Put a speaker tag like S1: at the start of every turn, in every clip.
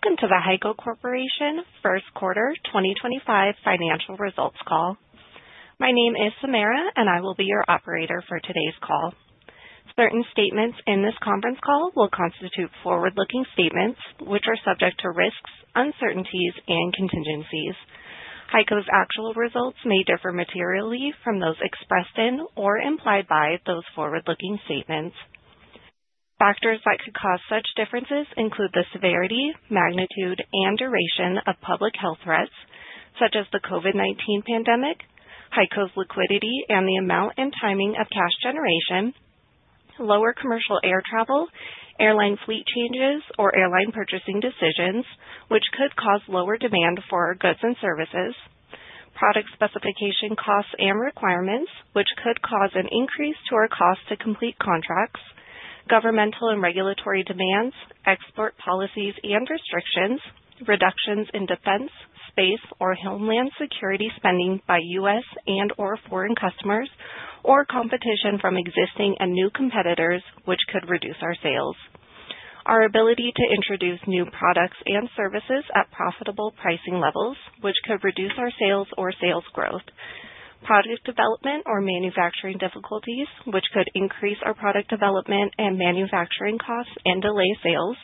S1: Welcome to the HEICO Corporation first quarter 2025 financial results Call. My name is Samara, and I will be your operator for today's call. Certain statements in this conference call will constitute forward-looking statements, which are subject to risks, uncertainties, and contingencies. HEICO's actual results may differ materially from those expressed in or implied by those forward-looking statements. Factors that could cause such differences include the severity, magnitude, and duration of public health threats, such as the COVID-19 pandemic, HEICO's liquidity and the amount and timing of cash generation, lower commercial air travel, airline fleet changes or airline purchasing decisions, which could cause lower demand for our goods and services, product specification costs and requirements, which could cause an increase to our cost to complete contracts, governmental and regulatory demands, export policies and restrictions, reductions in defense, space, or homeland security spending by U.S. and/or foreign customers, or competition from existing and new competitors, which could reduce our sales, our ability to introduce new products and services at profitable pricing levels, which could reduce our sales or sales growth, product development or manufacturing difficulties, which could increase our product development and manufacturing costs and delay sales,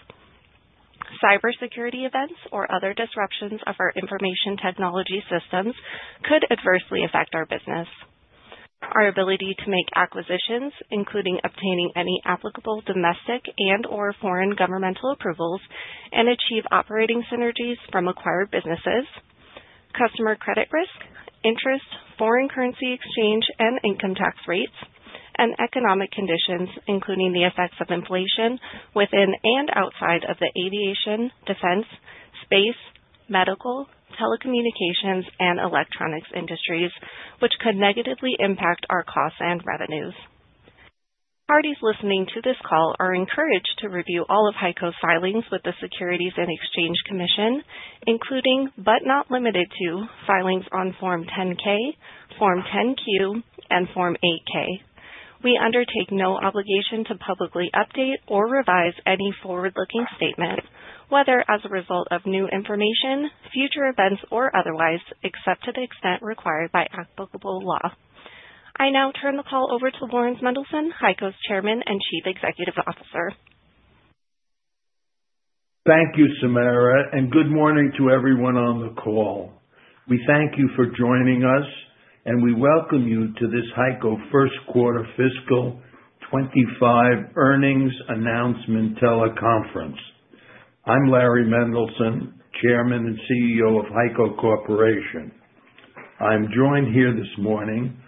S1: cybersecurity events or other disruptions of our information technology systems could adversely affect our business, our ability to make acquisitions, including obtaining any applicable domestic and/or foreign governmental approvals and achieve operating synergies from acquired businesses, customer credit risk, interest, foreign currency exchange and income tax rates, and economic conditions, including the effects of inflation within and outside of the aviation, defense, space, medical, telecommunications, and electronics industries, which could negatively impact our costs and revenues. Parties listening to this call are encouraged to review all of HEICO's filings with the Securities and Exchange Commission, including, but not limited to, filings on Form 10-K, Form 10-Q, and Form 8-K. We undertake no obligation to publicly update or revise any forward-looking statement, whether as a result of new information, future events, or otherwise, except to the extent required by applicable law. I now turn the call over to Laurans Mendelson, HEICO's Chairman and Chief Executive Officer.
S2: Thank you, Samara, and good morning to everyone on the call. We thank you for joining us, and we welcome you to this HEICO first quarter fiscal 2025 Earnings Announcement Teleconference. I'm Larry Mendelson, Chairman and CEO of HEICO Corporation. I'm joined here this morning by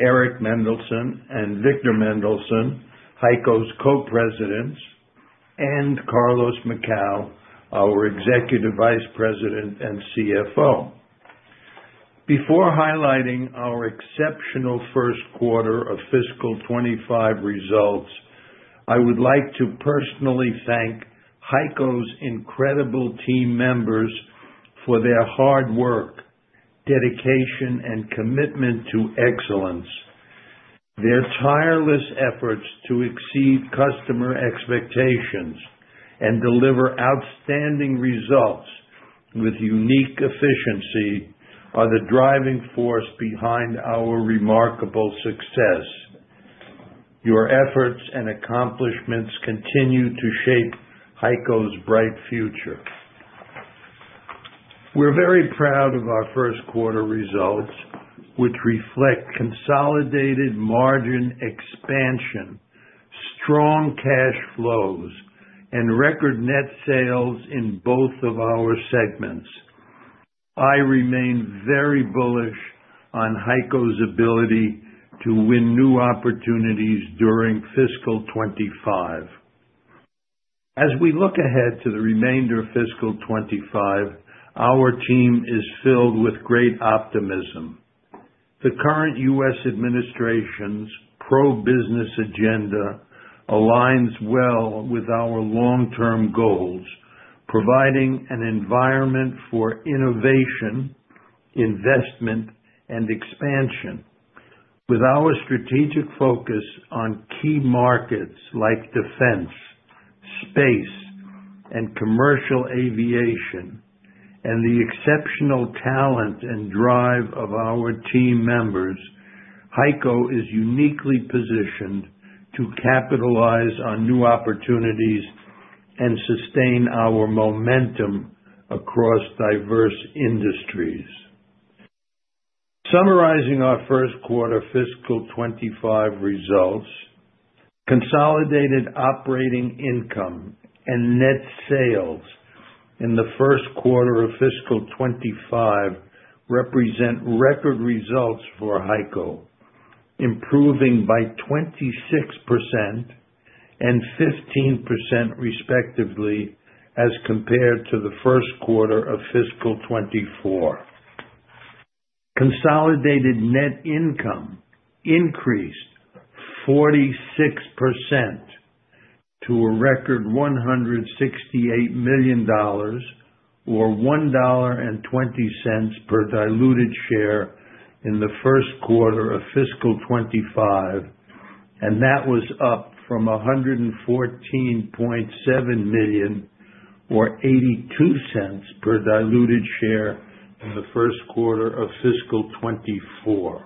S2: Eric Mendelson and Victor Mendelson, HEICO's Co-Presidents, and Carlos Macau, our Executive Vice President and CFO. Before highlighting our exceptional first quarter of fiscal 2025 results, I would like to personally thank HEICO's incredible team members for their hard work, dedication, and commitment to excellence. Their tireless efforts to exceed customer expectations and deliver outstanding results with unique efficiency are the driving force behind our remarkable success. Your efforts and accomplishments continue to shape HEICO's bright future. We're very proud of our first quarter results, which reflect consolidated margin expansion, strong cash flows, and record net sales in both of our segments. I remain very bullish on HEICO's ability to win new opportunities during fiscal 2025. As we look ahead to the remainder of fiscal 2025, our team is filled with great optimism. The current U.S. administration's pro-business agenda aligns well with our long-term goals, providing an environment for innovation, investment, and expansion. With our strategic focus on key markets like defense, space, and commercial aviation, and the exceptional talent and drive of our team members, HEICO is uniquely positioned to capitalize on new opportunities and sustain our momentum across diverse industries. Summarizing our first quarter fiscal 2025 results, consolidated operating income and net sales in the first quarter of fiscal 2025 represent record results for HEICO, improving by 26% and 15%, respectively, as compared to the first quarter of fiscal 2024. Consolidated net income increased 46% to a record $168 million, or $1.20 per diluted share, in the first quarter of fiscal 2025, and that was up from $114.7 million, or $0.82 per diluted share, in the first quarter of fiscal 2024.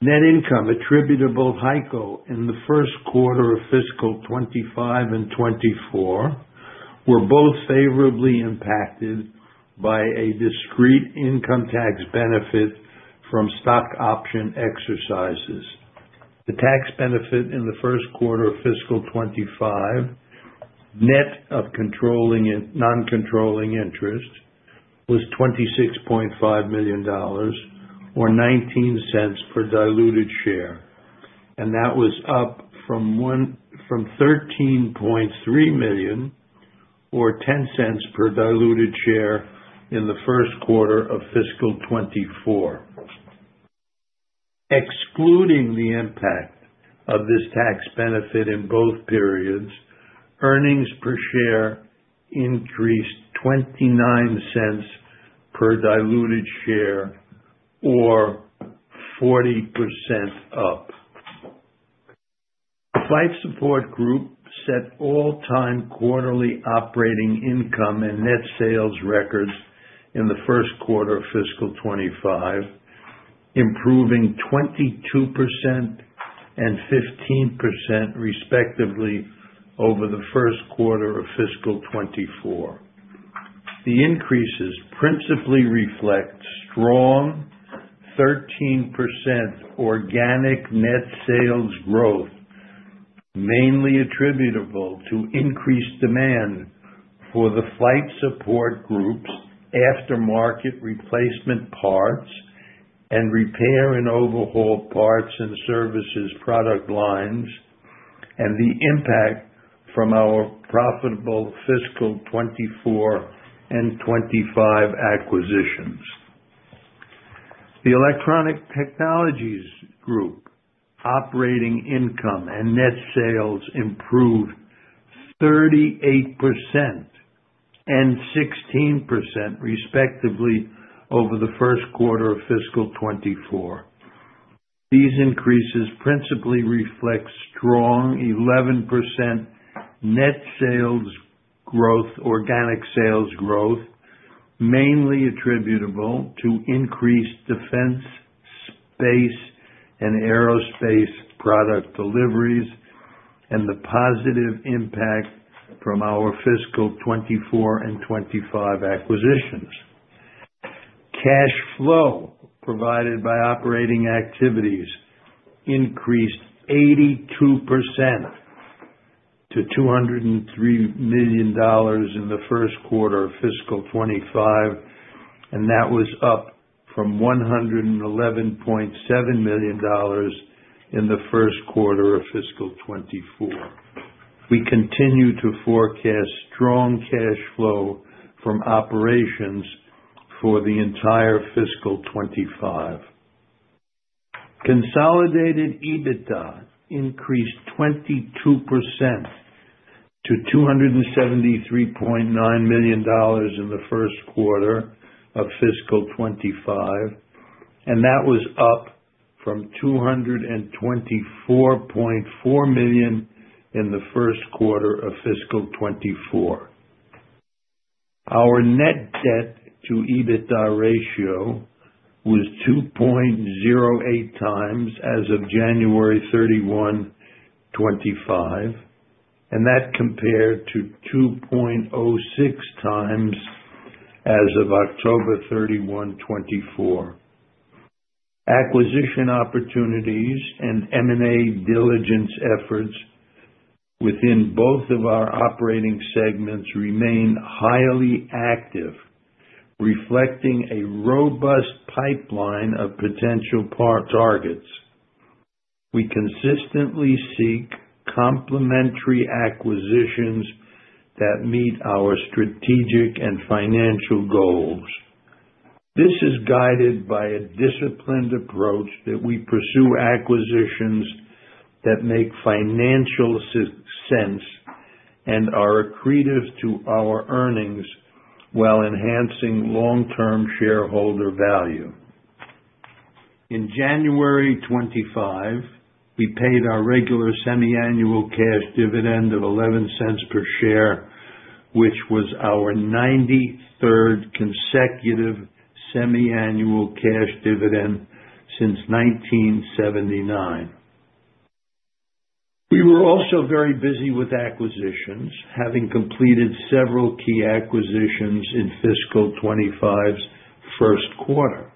S2: Net income attributable to HEICO in the first quarter of fiscal 2025 and 2024 were both favorably impacted by a discrete income tax benefit from stock option exercises. The tax benefit in the first quarter of fiscal 2025, net of non-controlling interest, was $26.5 million, or $0.19 per diluted share, and that was up from $13.3 million, or $0.10 per diluted share, in the first quarter of fiscal 2024. Excluding the impact of this tax benefit in both periods, earnings per share increased $0.29 per diluted share, or 40% up. Flight Support Group set all-time quarterly operating income and net sales records in the first quarter of fiscal 2025, improving 22% and 15%, respectively, over the first quarter of fiscal 2024. The increases principally reflect strong 13% organic net sales growth, mainly attributable to increased demand for the Flight Support Group's aftermarket replacement parts and repair and overhaul parts and services product lines, and the impact from our profitable fiscal 2024 and 2025 acquisitions. The Electronic Technologies Group operating income and net sales improved 38% and 16%, respectively, over the first quarter of fiscal 2024. These increases principally reflect strong 11% net sales growth, organic sales growth, mainly attributable to increased defense, space, and aerospace product deliveries, and the positive impact from our fiscal 2024 and 2025 acquisitions. Cash flow provided by operating activities increased 82% to $203 million in the first quarter of fiscal 2025, and that was up from $111.7 million in the first quarter of fiscal 2024. We continue to forecast strong cash flow from operations for the entire fiscal 2025. Consolidated EBITDA increased 22% to $273.9 million in the first quarter of fiscal 2025, and that was up from $224.4 million in the first quarter of fiscal 2024. Our net debt-to-EBITDA ratio was 2.08 times as of January 31, 2025, and that compared to 2.06 times as of October 31, 2024. Acquisition opportunities and M&A diligence efforts within both of our operating segments remain highly active, reflecting a robust pipeline of potential targets. We consistently seek complementary acquisitions that meet our strategic and financial goals. This is guided by a disciplined approach that we pursue acquisitions that make financial sense and are accretive to our earnings while enhancing long-term shareholder value. In January 2025, we paid our regular semiannual cash dividend of $0.11 per share, which was our 93rd consecutive semiannual cash dividend since 1979. We were also very busy with acquisitions, having completed several key acquisitions in fiscal 2025's first quarter.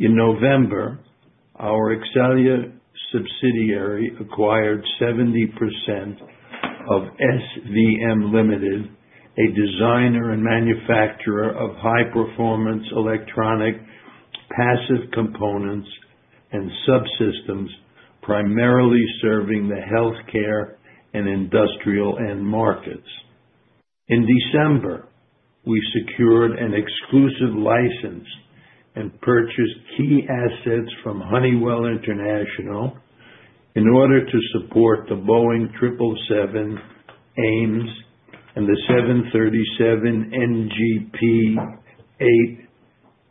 S2: In November, our Exxelia subsidiary acquired 70% of SVM Private Limited, a designer and manufacturer of high-performance electronic passive components and subsystems primarily serving the healthcare and industrial end markets. In December, we secured an exclusive license and purchased key assets from Honeywell International in order to support the Boeing 777 AIMS and the 737NG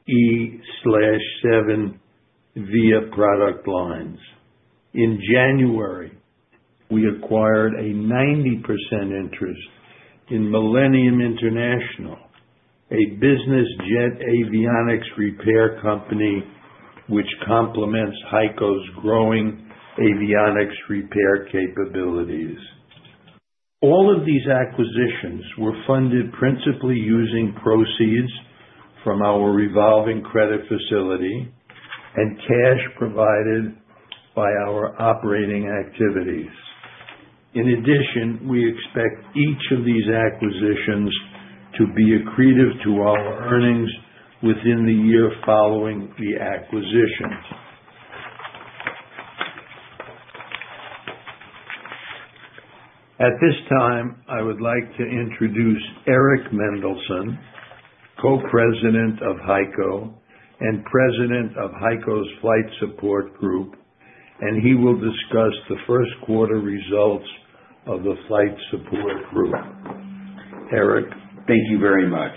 S2: P-8/E-7 AIMS product lines. In January, we acquired a 90% interest in Millennium International, a business jet avionics repair company which complements HEICO's growing avionics repair capabilities. All of these acquisitions were funded principally using proceeds from our revolving credit facility and cash provided by our operating activities. In addition, we expect each of these acquisitions to be accretive to our earnings within the year following the acquisitions. At this time, I would like to introduce Eric Mendelson, Co-President of HEICO and President of HEICO's Flight Support Group, and he will discuss the first quarter results of the Flight Support Group. Eric?
S3: Thank you very much.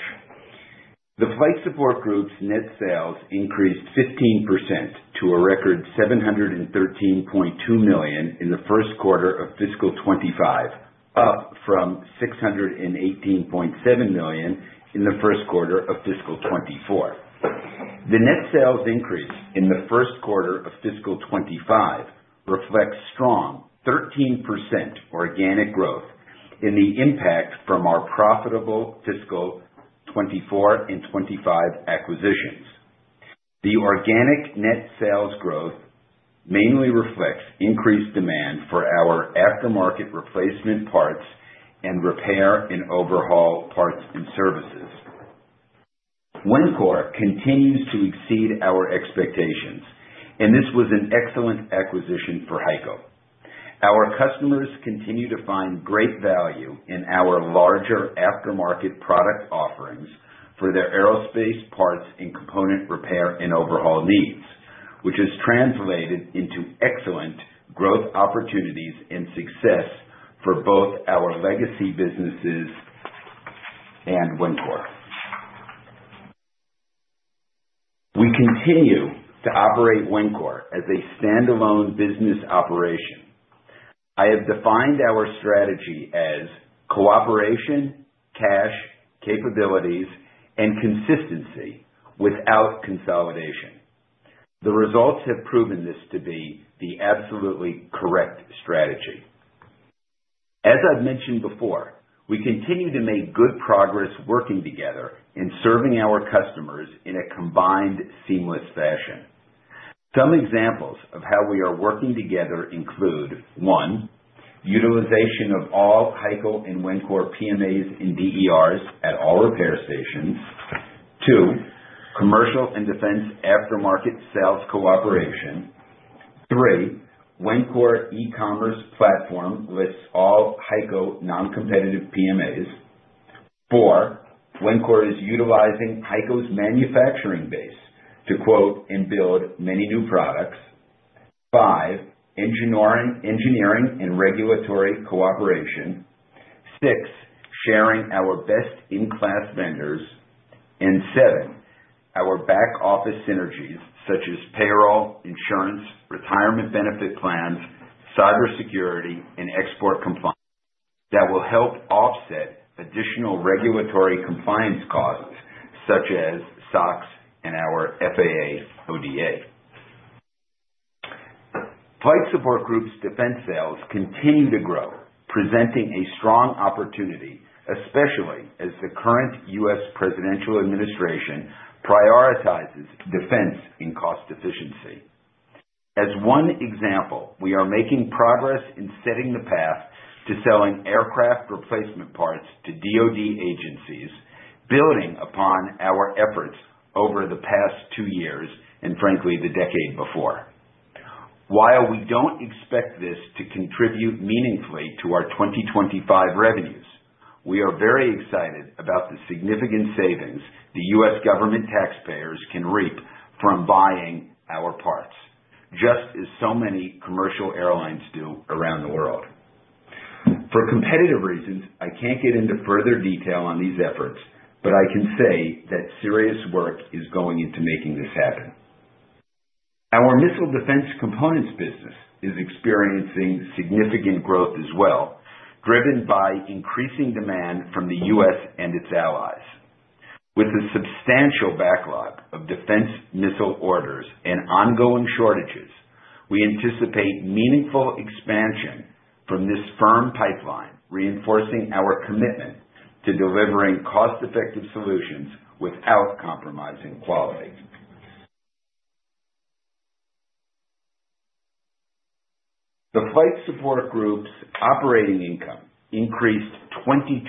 S3: The Flight Support Group's net sales increased 15% to a record $713.2 million in the first quarter of fiscal 2025, up from $618.7 million in the first quarter of fiscal 2024. The net sales increase in the first quarter of fiscal 2025 reflects strong 13% organic growth and the impact from our profitable fiscal 2024 and 2025 acquisitions. The organic net sales growth mainly reflects increased demand for our aftermarket replacement parts and repair and overhaul parts and services. Wencor continues to exceed our expectations, and this was an excellent acquisition for HEICO. Our customers continue to find great value in our larger aftermarket product offerings for their aerospace parts and component repair and overhaul needs, which has translated into excellent growth opportunities and success for both our legacy businesses and Wencor. We continue to operate Wencor as a standalone business operation. I have defined our strategy as cooperation, cash capabilities, and consistency without consolidation. The results have proven this to be the absolutely correct strategy. As I've mentioned before, we continue to make good progress working together in serving our customers in a combined, seamless fashion. Some examples of how we are working together include: one, utilization of all HEICO and Wencor PMAs and DERs at all repair stations; two, commercial and defense aftermarket sales cooperation; three, Wencor e-commerce platform lists all HEICO non-competitive PMAs; four, Wencor is utilizing HEICO's manufacturing base to quote and build many new products; five, engineering and regulatory cooperation; six, sharing our best-in-class vendors; and seven, our back-office synergies, such as payroll, insurance, retirement benefit plans, cybersecurity, and export compliance, that will help offset additional regulatory compliance costs, such as SOX and our FAA ODA. Flight Support Group's defense sales continue to grow, presenting a strong opportunity, especially as the current U.S. presidential administration prioritizes defense and cost efficiency. As one example, we are making progress in setting the path to selling aircraft replacement parts to DOD agencies, building upon our efforts over the past two years and, frankly, the decade before. While we don't expect this to contribute meaningfully to our 2025 revenues, we are very excited about the significant savings the U.S. government taxpayers can reap from buying our parts, just as so many commercial airlines do around the world. For competitive reasons, I can't get into further detail on these efforts, but I can say that serious work is going into making this happen. Our missile defense components business is experiencing significant growth as well, driven by increasing demand from the U.S. and its allies. With a substantial backlog of defense missile orders and ongoing shortages, we anticipate meaningful expansion from this firm pipeline, reinforcing our commitment to delivering cost-effective solutions without compromising quality. The Flight Support Group's operating income increased 22%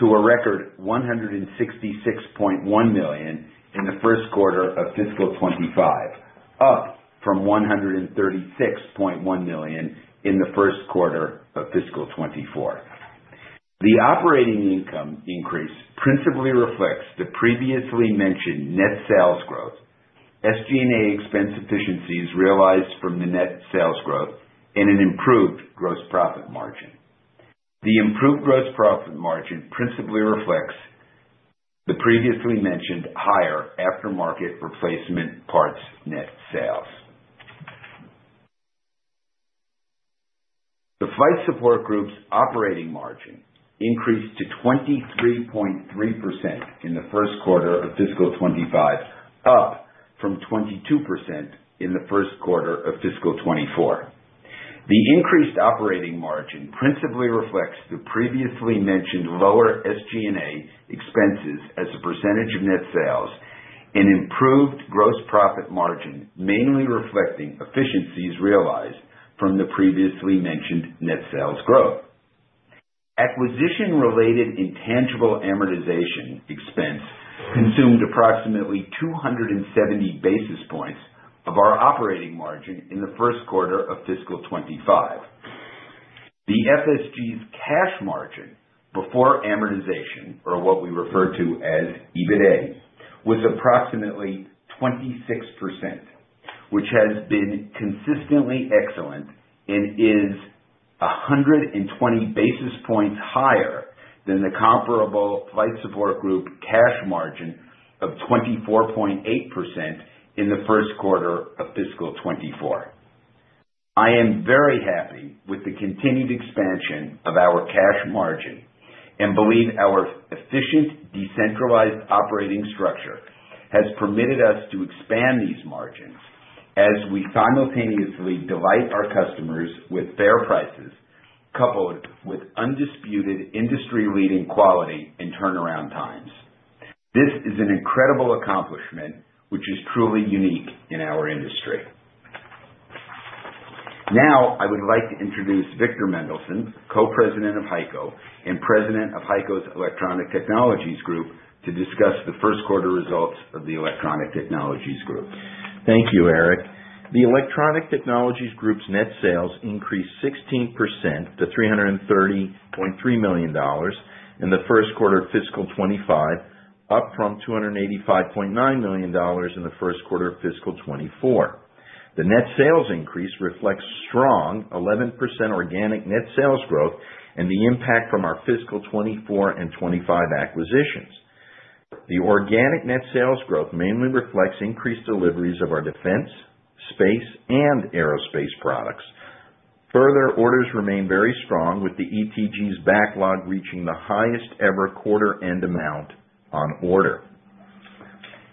S3: to a record $166.1 million in the first quarter of fiscal 2025, up from $136.1 million in the first quarter of fiscal 2024. The operating income increase principally reflects the previously mentioned net sales growth, SG&A expense efficiencies realized from the net sales growth, and an improved gross profit margin. The improved gross profit margin principally reflects the previously mentioned higher aftermarket replacement parts net sales. The Flight Support Group's operating margin increased to 23.3% in the first quarter of fiscal 2025, up from 22% in the first quarter of fiscal 2024. The increased operating margin principally reflects the previously mentioned lower SG&A expenses as a percentage of net sales and improved gross profit margin, mainly reflecting efficiencies realized from the previously mentioned net sales growth. Acquisition-related intangible amortization expense consumed approximately 270 basis points of our operating margin in the first quarter of fiscal 2025. The FSG's cash margin before amortization, or what we refer to as EBITDA, was approximately 26%, which has been consistently excellent and is 120 basis points higher than the comparable Flight Support Group cash margin of 24.8% in the first quarter of fiscal 2024. I am very happy with the continued expansion of our cash margin and believe our efficient decentralized operating structure has permitted us to expand these margins as we simultaneously delight our customers with fair prices coupled with undisputed industry-leading quality and turnaround times. This is an incredible accomplishment, which is truly unique in our industry. Now, I would like to introduce Victor Mendelson, Co-President of HEICO and President of HEICO's Electronic Technologies Group, to discuss the first quarter results of the Electronic Technologies Group.
S4: Thank you, Eric. The Electronic Technologies Group's net sales increased 16% to $330.3 million in the first quarter of fiscal 2025, up from $285.9 million in the first quarter of fiscal 2024. The net sales increase reflects strong 11% organic net sales growth and the impact from our fiscal 2024 and 2025 acquisitions. The organic net sales growth mainly reflects increased deliveries of our defense, space, and aerospace products. Further orders remain very strong, with the ETG's backlog reaching the highest-ever quarter-end amount on order.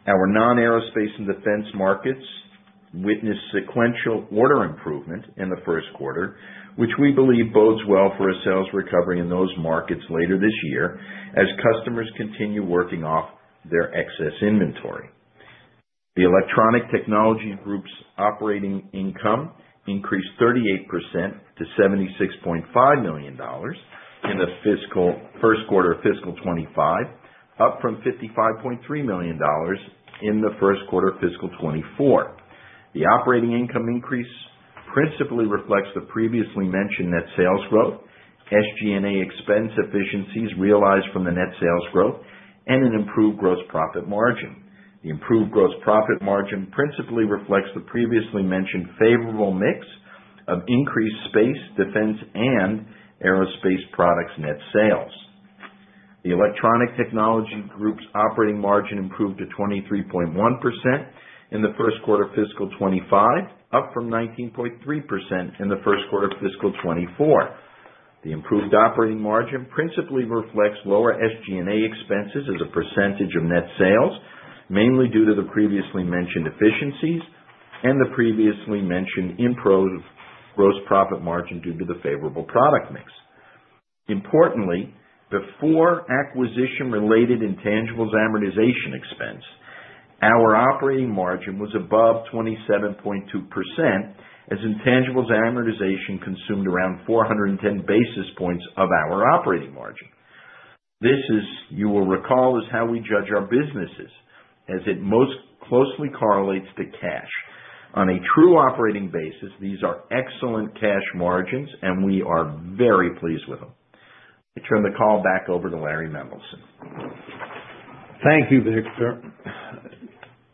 S4: Our non-aerospace and defense markets witnessed sequential order improvement in the first quarter, which we believe bodes well for a sales recovery in those markets later this year as customers continue working off their excess inventory. The Electronic Technologies Group's operating income increased 38% to $76.5 million in the first quarter of fiscal 2025, up from $55.3 million in the first quarter of fiscal 2024. The operating income increase principally reflects the previously mentioned net sales growth, SG&A expense efficiencies realized from the net sales growth, and an improved gross profit margin. The improved gross profit margin principally reflects the previously mentioned favorable mix of increased space, defense, and aerospace products net sales. The Electronic Technologies Group's operating margin improved to 23.1% in the first quarter of fiscal 2025, up from 19.3% in the first quarter of fiscal 2024. The improved operating margin principally reflects lower SG&A expenses as a percentage of net sales, mainly due to the previously mentioned efficiencies and the previously mentioned improved gross profit margin due to the favorable product mix. Importantly, before acquisition-related intangibles amortization expense, our operating margin was above 27.2% as intangibles amortization consumed around 410 basis points of our operating margin. This is, you will recall, how we judge our businesses, as it most closely correlates to cash. On a true operating basis, these are excellent cash margins, and we are very pleased with them. I turn the call back over to Larry Mendelson.
S2: Thank you, Victor.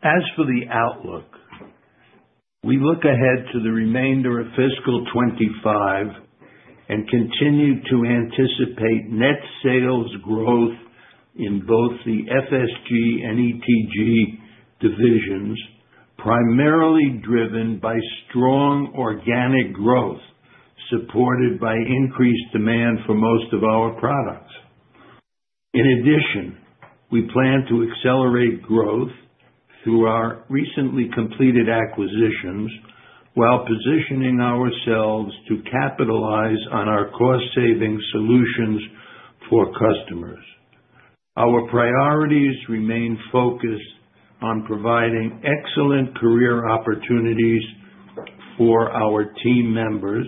S2: As for the outlook, we look ahead to the remainder of fiscal 2025 and continue to anticipate net sales growth in both the FSG and ETG divisions, primarily driven by strong organic growth supported by increased demand for most of our products. In addition, we plan to accelerate growth through our recently completed acquisitions while positioning ourselves to capitalize on our cost-saving solutions for customers. Our priorities remain focused on providing excellent career opportunities for our team members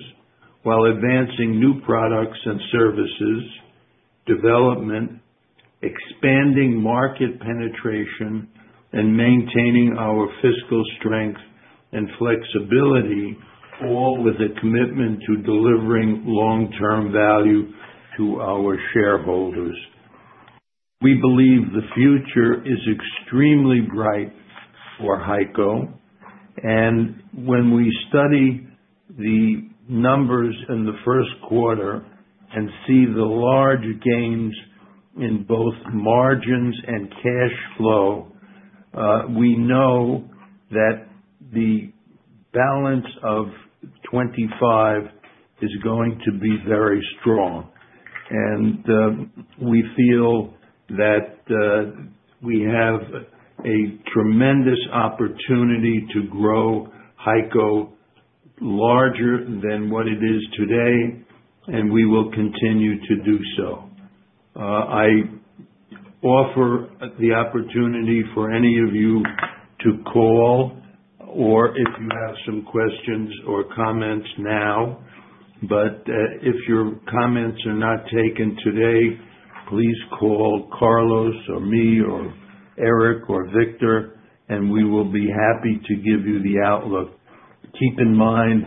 S2: while advancing new products and services development, expanding market penetration, and maintaining our fiscal strength and flexibility, all with a commitment to delivering long-term value to our shareholders. We believe the future is extremely bright for HEICO, and when we study the numbers in the first quarter and see the large gains in both margins and cash flow, we know that the balance of 2025 is going to be very strong. And we feel that we have a tremendous opportunity to grow HEICO larger than what it is today, and we will continue to do so. I offer the opportunity for any of you to call or, if you have some questions or comments now, but if your comments are not taken today, please call Carlos or me or Eric or Victor, and we will be happy to give you the outlook. Keep in mind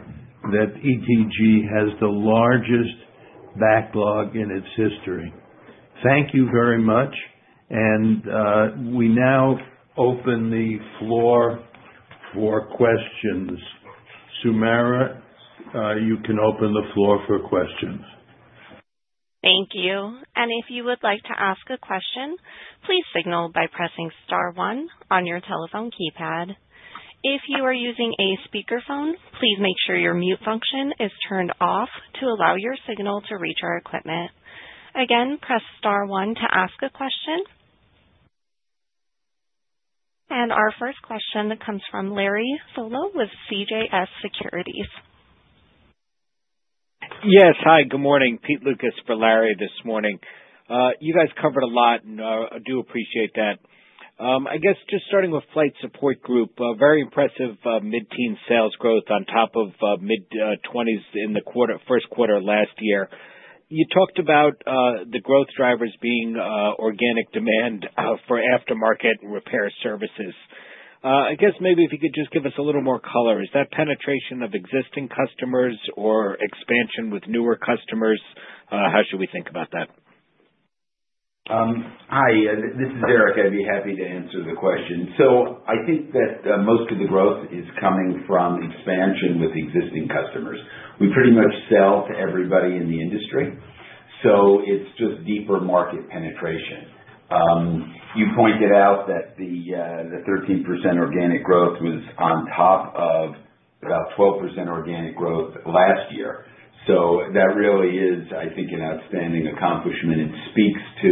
S2: that ETG has the largest backlog in its history. Thank you very much, and we now open the floor for questions. Samara, you can open the floor for questions.
S1: Thank you. And if you would like to ask a question, please signal by pressing star one on your telephone keypad. If you are using a speakerphone, please make sure your mute function is turned off to allow your signal to reach our equipment. Again, press star one to ask a question. And our first question comes from Larry Solow with CJS Securities.
S5: Yes. Hi, good morning. Peter Lukas for Larry this morning. You guys covered a lot, and I do appreciate that. I guess just starting with Flight Support Group, very impressive mid-teen sales growth on top of mid-20s in the first quarter last year. You talked about the growth drivers being organic demand for aftermarket repair services. I guess maybe if you could just give us a little more color. Is that penetration of existing customers or expansion with newer customers? How should we think about that?
S3: Hi, this is Eric. I'd be happy to answer the question. So I think that most of the growth is coming from expansion with existing customers. We pretty much sell to everybody in the industry, so it's just deeper market penetration. You pointed out that the 13% organic growth was on top of about 12% organic growth last year. So that really is, I think, an outstanding accomplishment. It speaks to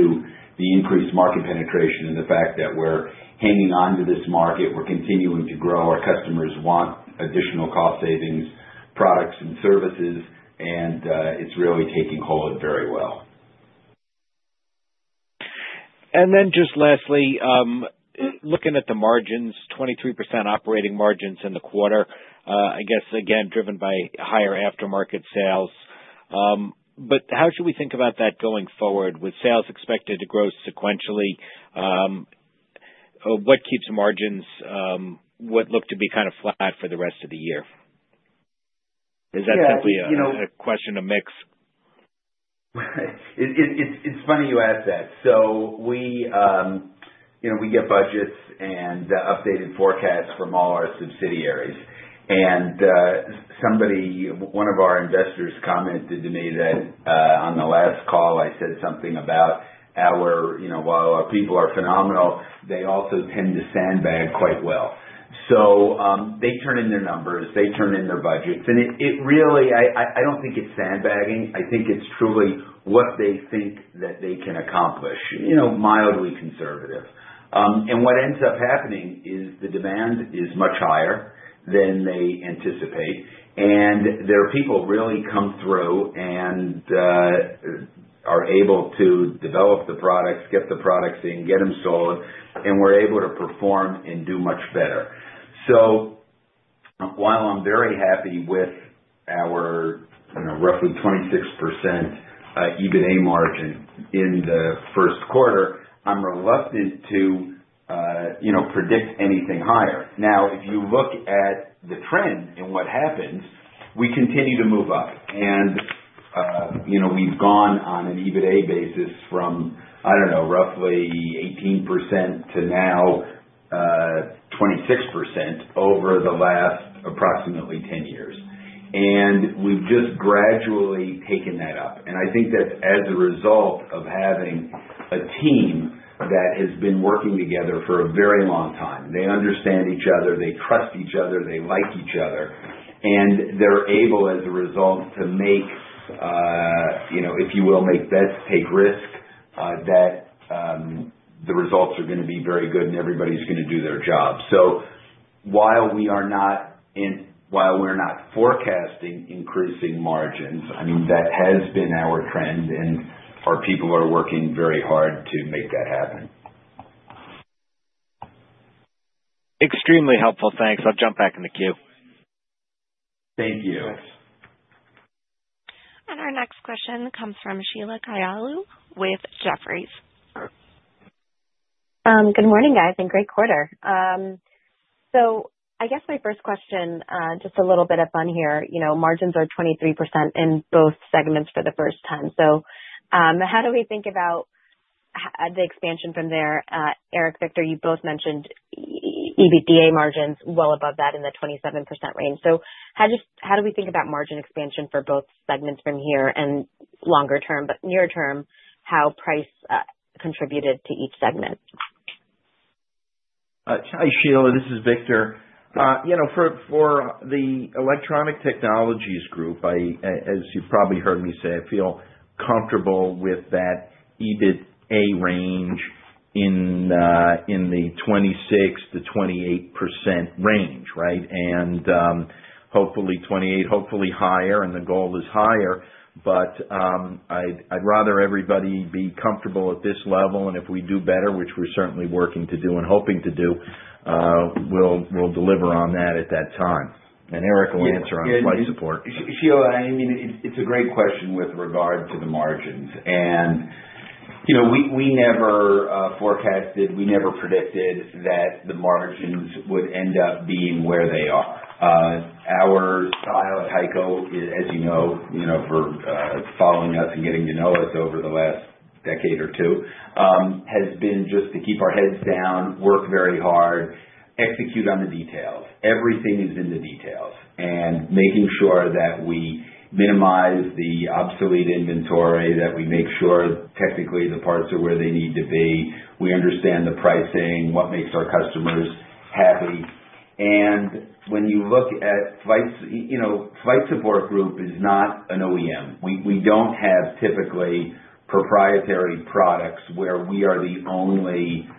S3: the increased market penetration and the fact that we're hanging on to this market. We're continuing to grow. Our customers want additional cost-savings products and services, and it's really taking hold very well.
S5: And then, just lastly, looking at the margins, 23% operating margins in the quarter, I guess, again, driven by higher aftermarket sales. But how should we think about that going forward with sales expected to grow sequentially? What keeps margins? What looked to be kind of flat for the rest of the year? Is that simply a question, a mix?
S3: It's funny you asked that. So we get budgets and updated forecasts from all our subsidiaries. And one of our investors commented to me that on the last call, I said something about how while our people are phenomenal, they also tend to sandbag quite well. So they turn in their numbers. They turn in their budgets. And I don't think it's sandbagging. I think it's truly what they think that they can accomplish, mildly conservative. And what ends up happening is the demand is much higher than they anticipate. And their people really come through and are able to develop the products, get the products in, get them sold, and we're able to perform and do much better. So while I'm very happy with our roughly 26% EBITDA margin in the first quarter, I'm reluctant to predict anything higher. Now, if you look at the trend and what happens, we continue to move up. And we've gone on an EBITDA basis from, I don't know, roughly 18% to now 26% over the last approximately 10 years. And we've just gradually taken that up. And I think that's as a result of having a team that has been working together for a very long time. They understand each other. They trust each other. They like each other. And they're able, as a result, to make, if you will, make bets, take risks that the results are going to be very good and everybody's going to do their job. So while we are not forecasting increasing margins, I mean, that has been our trend, and our people are working very hard to make that happen.
S5: Extremely helpful. Thanks. I'll jump back in the queue.
S3: Thank you.
S1: Our next question comes from Sheila Kahyaoglu with Jefferies.
S6: Good morning, guys, and great quarter. So I guess my first question, just a little bit of fun here, margins are 23% in both segments for the first time. So how do we think about the expansion from there? Eric, Victor, you both mentioned EBITDA margins well above that in the 27% range. So how do we think about margin expansion for both segments from here and longer term, but near term, how price contributed to each segment?
S4: Hi, Sheila. This is Victor. For the Electronic Technologies Group, as you've probably heard me say, I feel comfortable with that EBITDA range in the 26%-28% range, right? And hopefully 28, hopefully higher, and the goal is higher. But I'd rather everybody be comfortable at this level. And if we do better, which we're certainly working to do and hoping to do, we'll deliver on that at that time. And Eric will answer on Flight Support.
S3: Sheila, I mean, it's a great question with regard to the margins. And we never forecasted, we never predicted that the margins would end up being where they are. Our style at HEICO, as you know, for following us and getting to know us over the last decade or two, has been just to keep our heads down, work very hard, execute on the details. Everything is in the details. And making sure that we minimize the obsolete inventory, that we make sure technically the parts are where they need to be. We understand the pricing, what makes our customers happy. And when you look at Flight Support Group, it's not an OEM. We don't have typically proprietary products where we are the only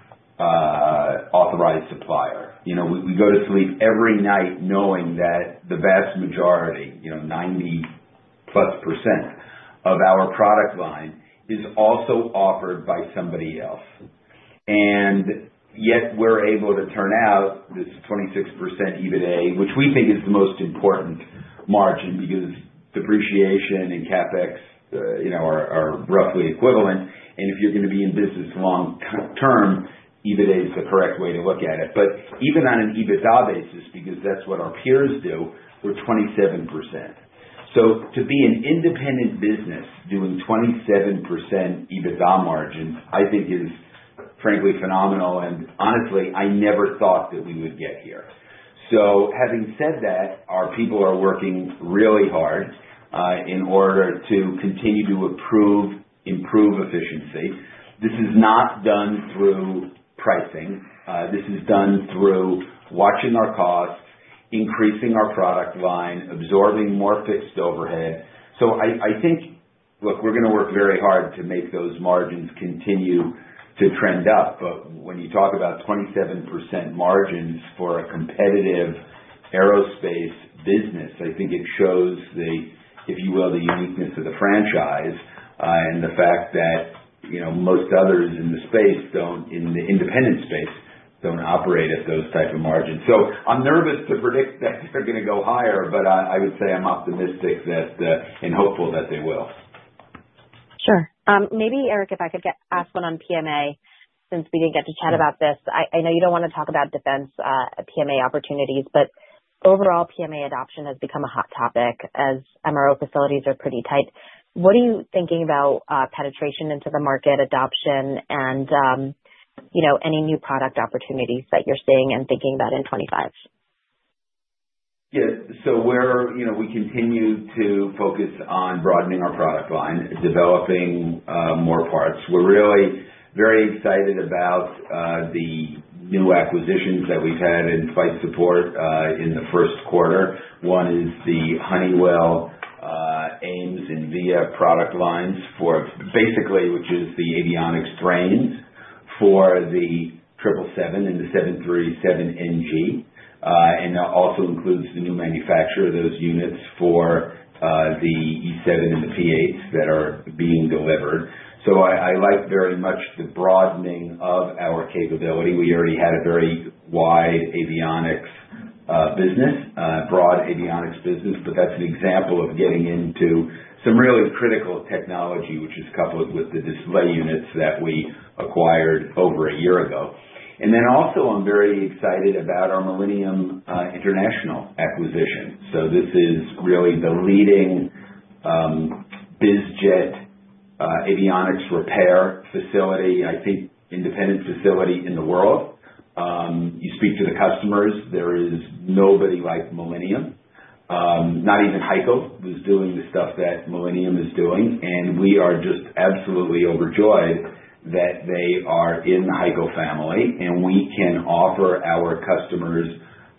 S3: authorized supplier. We go to sleep every night knowing that the vast majority, 90-plus% of our product line, is also offered by somebody else. And yet we're able to turn out this 26% EBITDA, which we think is the most important margin because depreciation and CapEx are roughly equivalent. And if you're going to be in business long-term, EBITDA is the correct way to look at it. But even on an EBITDA basis, because that's what our peers do, we're 27%. So to be an independent business doing 27% EBITDA margin, I think is frankly phenomenal. And honestly, I never thought that we would get here. So having said that, our people are working really hard in order to continue to improve, improve efficiency. This is not done through pricing. This is done through watching our costs, increasing our product line, absorbing more fixed overhead. So I think, look, we're going to work very hard to make those margins continue to trend up. But when you talk about 27% margins for a competitive aerospace business, I think it shows, if you will, the uniqueness of the franchise and the fact that most others in the space, in the independent space, don't operate at those type of margins. So I'm nervous to predict that they're going to go higher, but I would say I'm optimistic and hopeful that they will.
S6: Sure. Maybe, Eric, if I could ask one on PMA, since we didn't get to chat about this. I know you don't want to talk about defense PMA opportunities, but overall, PMA adoption has become a hot topic as MRO facilities are pretty tight. What are you thinking about penetration into the market, adoption, and any new product opportunities that you're seeing and thinking about in 2025?
S3: Yeah. So we continue to focus on broadening our product line, developing more parts. We're really very excited about the new acquisitions that we've had in Flight Support in the first quarter. One is the Honeywell AIMS and VIA product lines, which basically is the avionics brains for the 777 and the 737NG. And that also includes the new manufacturer of those units for the E-7 and the P-8s that are being delivered. So I like very much the broadening of our capability. We already had a very wide avionics business, broad avionics business, but that's an example of getting into some really critical technology, which is coupled with the display units that we acquired over a year ago. And then also, I'm very excited about our Millennium International acquisition. So this is really the leading bizjet avionics repair facility, I think, independent facility in the world. You speak to the customers. There is nobody like Millennium. Not even HEICO was doing the stuff that Millennium is doing. And we are just absolutely overjoyed that they are in the HEICO family. And we can offer our customers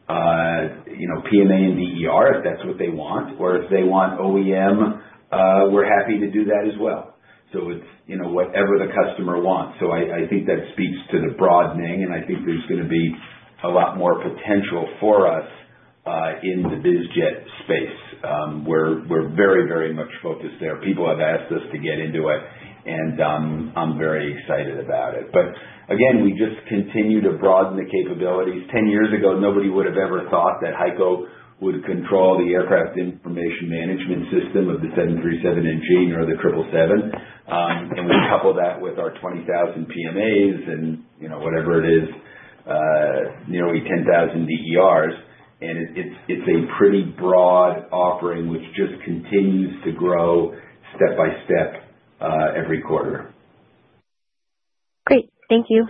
S3: PMA and DER if that's what they want. Or if they want OEM, we're happy to do that as well. So it's whatever the customer wants. So I think that speaks to the broadening, and I think there's going to be a lot more potential for us in the bizjet space. We're very, very much focused there. People have asked us to get into it, and I'm very excited about it. But again, we just continue to broaden the capabilities. Ten years ago, nobody would have ever thought that HEICO would control the Aircraft Information Management System of the 737NG or the 777. And we couple that with our 20,000 PMAs and whatever it is, nearly 10,000 DERs, and it's a pretty broad offering, which just continues to grow step by step every quarter.
S6: Great. Thank you.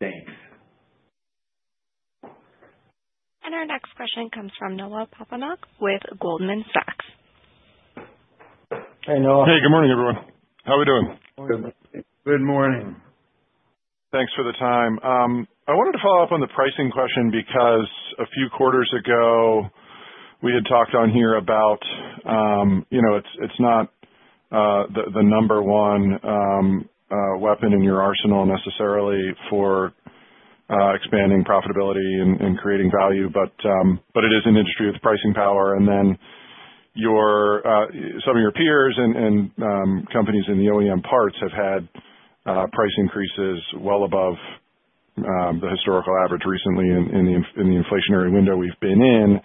S3: Thanks.
S1: Our next question comes from Noah Poponak with Goldman Sachs.
S3: Hey, Noah.
S7: Hey, good morning, everyone. How are we doing?
S3: Good morning.
S7: Thanks for the time. I wanted to follow up on the pricing question because a few quarters ago, we had talked on here about it's not the number one weapon in your arsenal necessarily for expanding profitability and creating value, but it is an industry with pricing power. And then some of your peers and companies in the OEM parts have had price increases well above the historical average recently in the inflationary window we've been in.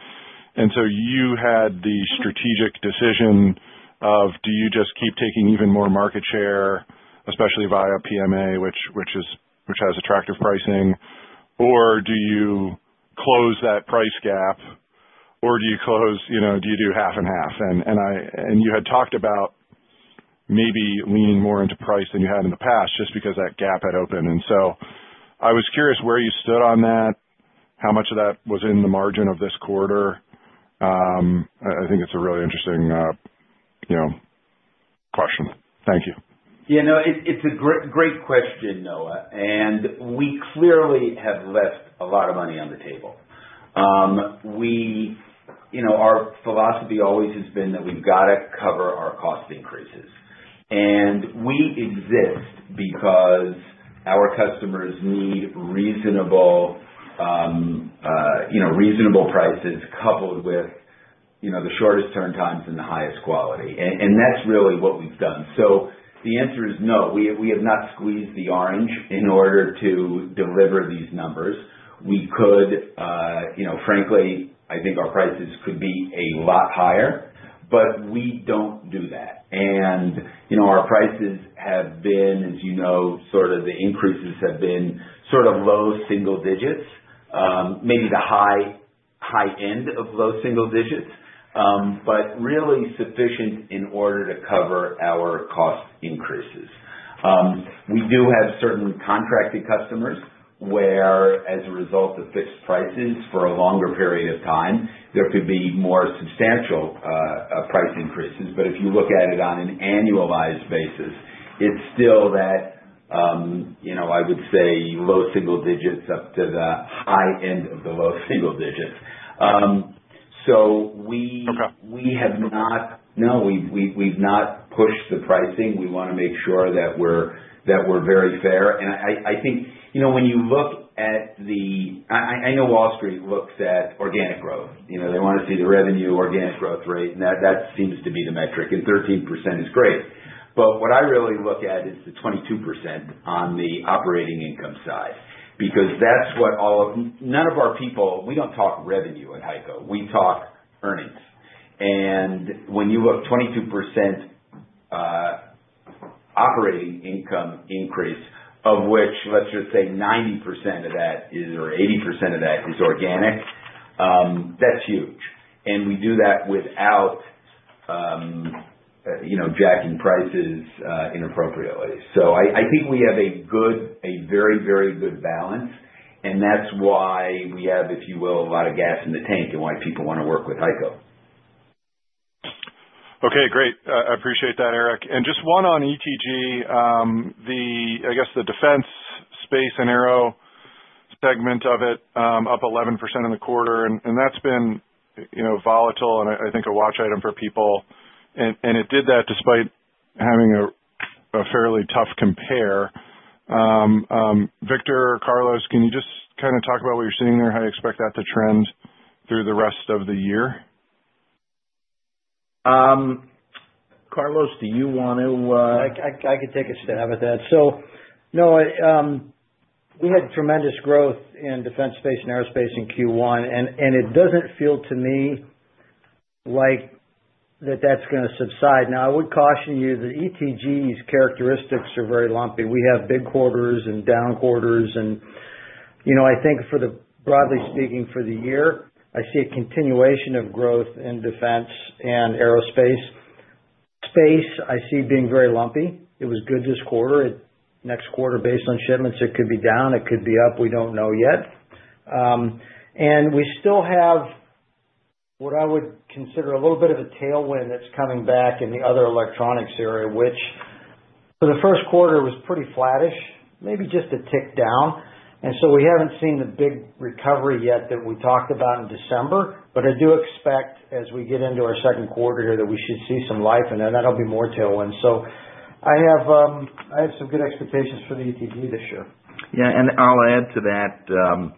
S7: And so you had the strategic decision of, do you just keep taking even more market share, especially via PMA, which has attractive pricing, or do you close that price gap, or do you close? Do you do half and half? And you had talked about maybe leaning more into price than you had in the past just because that gap had opened. And so I was curious where you stood on that, how much of that was in the margin of this quarter. I think it's a really interesting question. Thank you.
S3: Yeah, no, it's a great question, Noah. And we clearly have left a lot of money on the table. Our philosophy always has been that we've got to cover our cost increases. And we exist because our customers need reasonable prices coupled with the shortest turn times and the highest quality. And that's really what we've done. So the answer is no. We have not squeezed the orange in order to deliver these numbers. We could, frankly, I think our prices could be a lot higher, but we don't do that. And our prices have been, as you know, sort of the increases have been sort of low single digits, maybe the high end of low single digits, but really sufficient in order to cover our cost increases. We do have certain contracted customers where, as a result of fixed prices for a longer period of time, there could be more substantial price increases. But if you look at it on an annualized basis, it's still that, I would say, low single digits up to the high end of the low single digits. So we have not, no, we've not pushed the pricing. We want to make sure that we're very fair. And I think when you look at the, I know Wall Street looks at organic growth. They want to see the revenue, organic growth rate, and that seems to be the metric. And 13% is great. But what I really look at is the 22% on the operating income side because that's what all of none of our people, we don't talk revenue at HEICO. We talk earnings. And when you look, 22% operating income increase, of which, let's just say, 90% of that is or 80% of that is organic, that's huge. And we do that without jacking prices inappropriately. So I think we have a good, a very, very good balance. And that's why we have, if you will, a lot of gas in the tank and why people want to work with HEICO.
S7: Okay, great. I appreciate that, Eric. And just one on ETG, I guess the defense space and aero segment of it up 11% in the quarter. And that's been volatile and I think a watch item for people. And it did that despite having a fairly tough compare. Victor, Carlos, can you just kind of talk about what you're seeing there? How do you expect that to trend through the rest of the year?
S4: Carlos, do you want to?
S8: I could take a stab at that. So no, we had tremendous growth in defense space and aerospace in Q1. And it doesn't feel to me like that that's going to subside. Now, I would caution you that ETG's characteristics are very lumpy. We have big quarters and down quarters. And I think, broadly speaking, for the year, I see a continuation of growth in defense and aerospace. Space, I see being very lumpy. It was good this quarter. Next quarter, based on shipments, it could be down. It could be up. We don't know yet. And we still have what I would consider a little bit of a tailwind that's coming back in the other electronics area, which for the first quarter was pretty flattish, maybe just a tick down. And so we haven't seen the big recovery yet that we talked about in December. But I do expect as we get into our second quarter here that we should see some life. And then that'll be more tailwind. So I have some good expectations for the ETG this year.
S4: Yeah, and I'll add to that.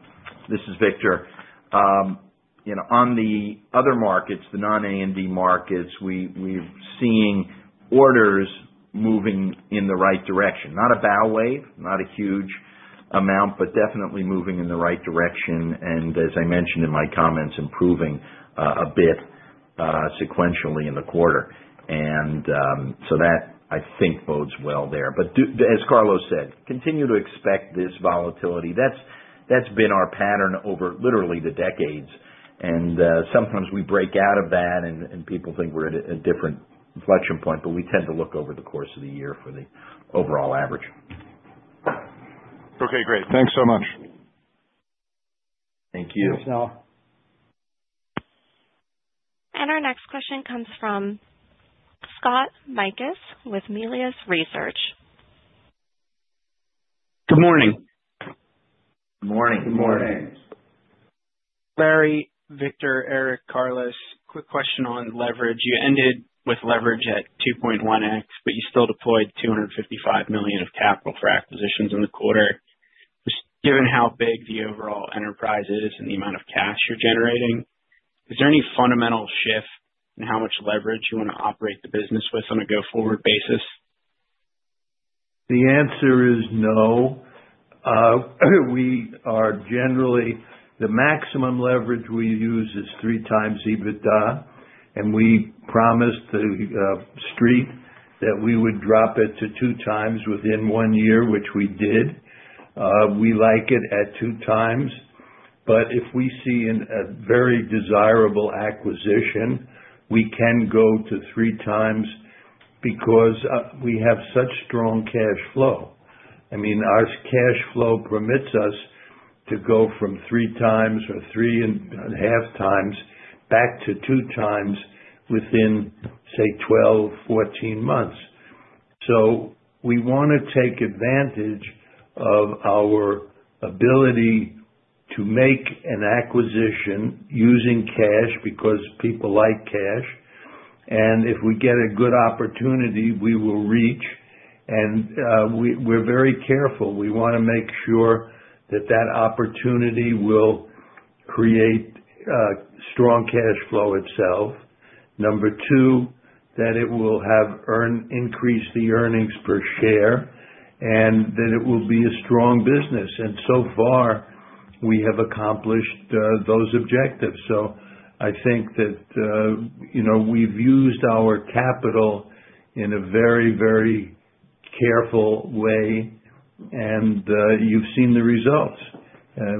S4: This is Victor. On the other markets, the non-A&D markets, we're seeing orders moving in the right direction. Not a bow wave, not a huge amount, but definitely moving in the right direction. And as I mentioned in my comments, improving a bit sequentially in the quarter. And so that, I think, bodes well there. But as Carlos said, continue to expect this volatility. That's been our pattern over literally the decades. And sometimes we break out of that and people think we're at a different inflection point, but we tend to look over the course of the year for the overall average.
S7: Okay, great. Thanks so much.
S8: Thank you.
S3: Thanks, Noah.
S1: Our next question comes from Scott Mikus with Melius Research.
S9: Good morning.
S3: Good morning.
S2: Good morning.
S9: Larry, Victor, Eric, Carlos, quick question on leverage. You ended with leverage at 2.1x, but you still deployed $255 million of capital for acquisitions in the quarter. Just given how big the overall enterprise is and the amount of cash you're generating, is there any fundamental shift in how much leverage you want to operate the business with on a go-forward basis?
S2: The answer is no. We are generally the maximum leverage we use is 3x EBITDA. And we promised the street that we would drop it to 2x within one year, which we did. We like it at 2x. But if we see a very desirable acquisition, we can go to 3x because we have such strong cash flow. I mean, our cash flow permits us to go from 3x or 3.5x back to 2x within, say, 12-14 months. So we want to take advantage of our ability to make an acquisition using cash because people like cash. And if we get a good opportunity, we will reach. And we're very careful. We want to make sure that that opportunity will create strong cash flow itself. Number two, that it will have increased the earnings per share and that it will be a strong business, and so far, we have accomplished those objectives, so I think that we've used our capital in a very, very careful way, and you've seen the results.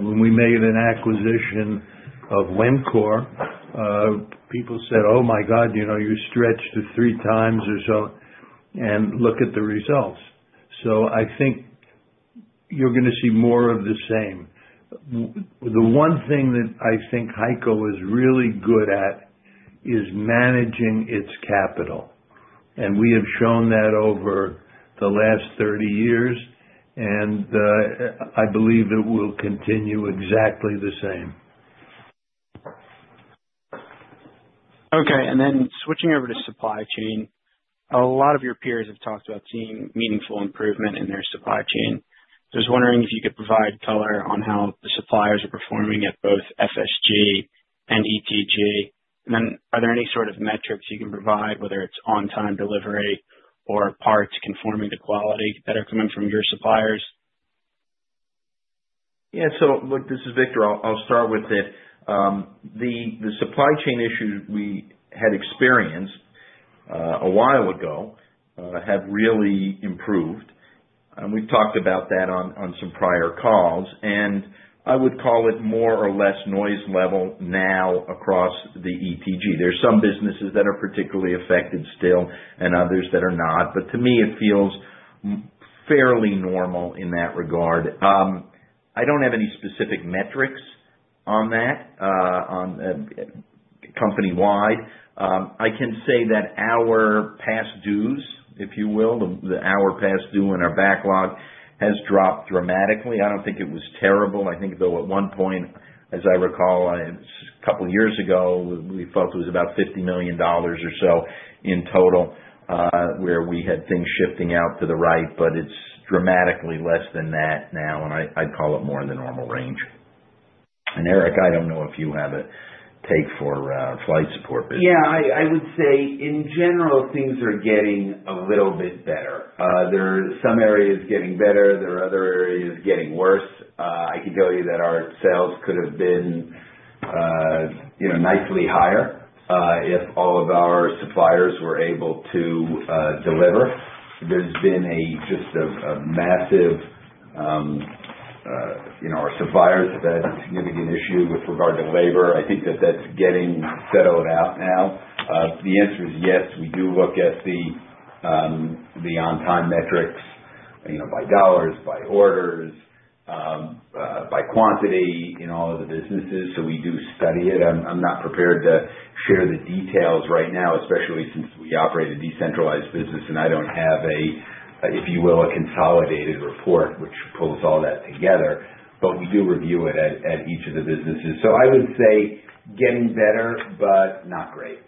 S2: When we made an acquisition of Wencor, people said, "Oh my God, you stretched to 3x or so," and look at the results, so I think you're going to see more of the same. The one thing that I think HEICO is really good at is managing its capital, and we have shown that over the last 30 years, and I believe it will continue exactly the same.
S9: Okay. And then switching over to supply chain, a lot of your peers have talked about seeing meaningful improvement in their supply chain. I was wondering if you could provide color on how the suppliers are performing at both FSG and ETG. And then are there any sort of metrics you can provide, whether it's on-time delivery or parts conforming to quality that are coming from your suppliers?
S4: Yeah, so look, this is Victor. I'll start with it. The supply chain issues we had experienced a while ago have really improved, and we've talked about that on some prior calls, and I would call it more or less noise level now across the ETG. There are some businesses that are particularly affected still and others that are not, but to me, it feels fairly normal in that regard. I don't have any specific metrics on that company-wide. I can say that our past dues, if you will, the hours past due in our backlog has dropped dramatically. I don't think it was terrible. I think, though, at one point, as I recall, a couple of years ago, we felt it was about $50 million or so in total where we had things shifting out to the right, but it's dramatically less than that now. I'd call it more in the normal range. Eric, I don't know if you have a take for Flight Support business.
S3: Yeah. I would say, in general, things are getting a little bit better. There are some areas getting better. There are other areas getting worse. I can tell you that our sales could have been nicely higher if all of our suppliers were able to deliver. There's been just a massive, our suppliers have had a significant issue with regard to labor. I think that that's getting settled out now. The answer is yes. We do look at the on-time metrics by dollars, by orders, by quantity in all of the businesses. So we do study it. I'm not prepared to share the details right now, especially since we operate a decentralized business. And I don't have a, if you will, a consolidated report which pulls all that together. But we do review it at each of the businesses. So I would say getting better, but not great.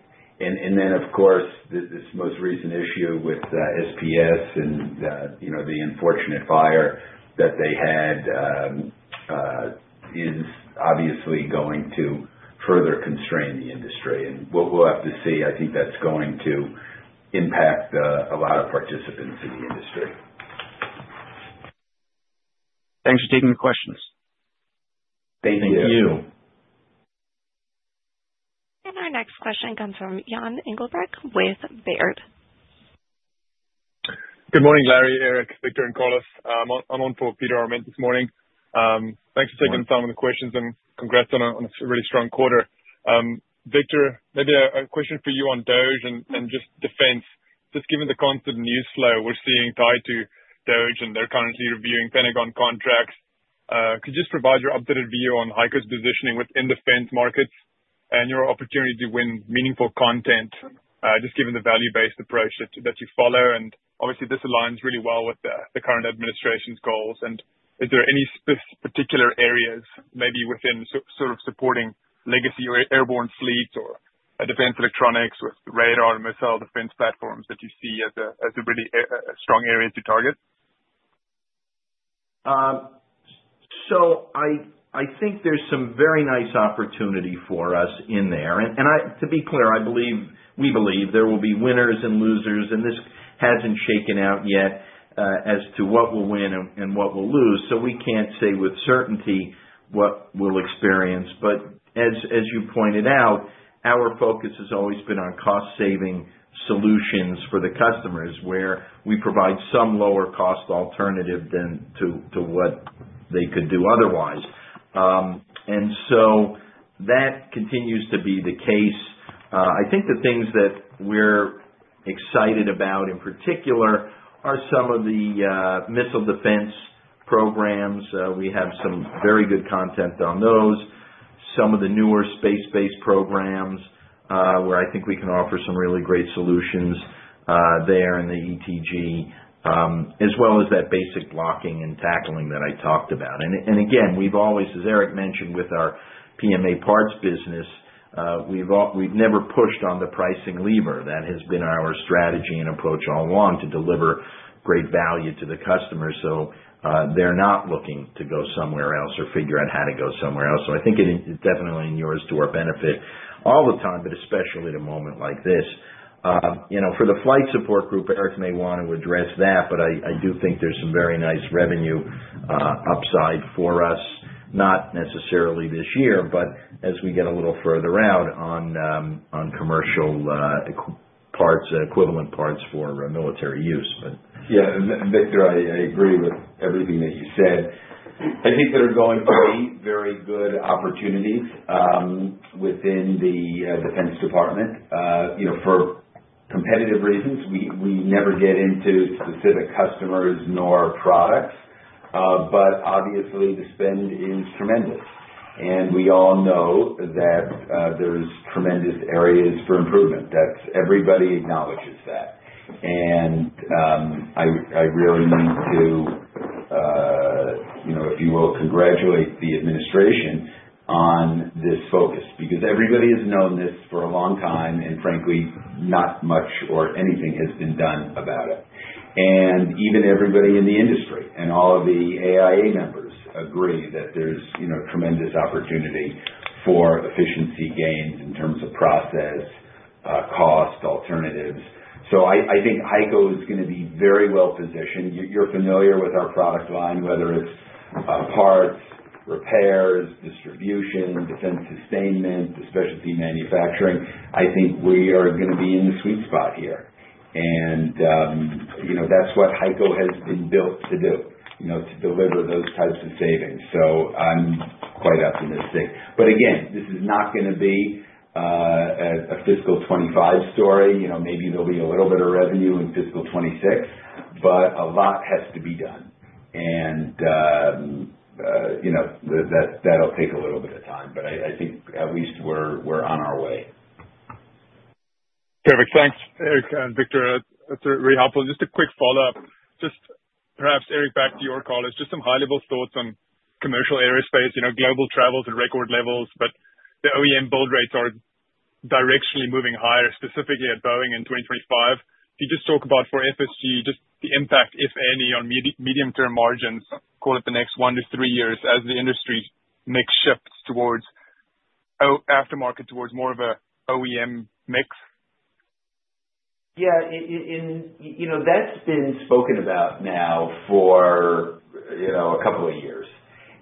S3: And then, of course, this most recent issue with SPS and the unfortunate fire that they had is obviously going to further constrain the industry. And what we'll have to see, I think that's going to impact a lot of participants in the industry.
S9: Thanks for taking the questions.
S4: Thank you.
S3: Thank you.
S1: Our next question comes from Jan Engelbrecht with Baird.
S10: Good morning, Larry, Eric, Victor, and Carlos. I'm on for Peter Arment this morning. Thanks for taking the time on the questions and congrats on a really strong quarter. Victor, maybe a question for you on DOGE and just defense. Just given the constant news flow we're seeing tied to DOGE and they're currently reviewing Pentagon contracts, could you just provide your updated view on HEICO's positioning within defense markets and your opportunity to win meaningful content, just given the value-based approach that you follow? And obviously, this aligns really well with the current administration's goals. And is there any particular areas maybe within sort of supporting legacy or airborne fleets or defense electronics with radar and missile defense platforms that you see as really strong areas to target?
S4: So I think there's some very nice opportunity for us in there. And to be clear, we believe there will be winners and losers. And this hasn't shaken out yet as to what we'll win and what we'll lose. So we can't say with certainty what we'll experience. But as you pointed out, our focus has always been on cost-saving solutions for the customers where we provide some lower-cost alternative than to what they could do otherwise. And so that continues to be the case. I think the things that we're excited about in particular are some of the missile defense programs. We have some very good content on those. Some of the newer space-based programs where I think we can offer some really great solutions there in the ETG, as well as that basic blocking and tackling that I talked about. And again, we've always, as Eric mentioned, with our PMA parts business, we've never pushed on the pricing lever. That has been our strategy and approach all along to deliver great value to the customer. So they're not looking to go somewhere else or figure out how to go somewhere else. So I think it's definitely inures to our benefit all the time, but especially at a moment like this. For the Flight Support Group, Eric may want to address that, but I do think there's some very nice revenue upside for us, not necessarily this year, but as we get a little further out on commercial parts, equivalent parts for military use.
S3: Yeah. Victor, I agree with everything that you said. I think there are going to be very good opportunities within the Defense Department for competitive reasons. We never get into specific customers nor products. Obviously, the spend is tremendous. We all know that there's tremendous areas for improvement. Everybody acknowledges that. I really need to, if you will, congratulate the administration on this focus because everybody has known this for a long time. Frankly, not much or anything has been done about it. Even everybody in the industry and all of the AIA members agree that there's tremendous opportunity for efficiency gains in terms of process, cost, alternatives. I think HEICO is going to be very well positioned. You're familiar with our product line, whether it's parts, repairs, distribution, defense sustainment, specialty manufacturing. I think we are going to be in the sweet spot here. That's what HEICO has been built to do, to deliver those types of savings. I'm quite optimistic. Again, this is not going to be a fiscal 2025 story. Maybe there'll be a little bit of revenue in fiscal 2026, but a lot has to be done. And that'll take a little bit of time. But I think at least we're on our way.
S10: Terrific. Thanks, Eric and Victor. That's really helpful. Just a quick follow-up. Just perhaps, Eric, back to your comments, just some high-level thoughts on commercial aerospace, global travel at record levels. But the OEM build rates are directionally moving higher, specifically at Boeing in 2025. Can you just talk about for FSG, just the impact, if any, on medium-term margins, call it the next one to three years as the industry makes shifts towards aftermarket, towards more of an OEM mix?
S3: Yeah. That's been spoken about now for a couple of years,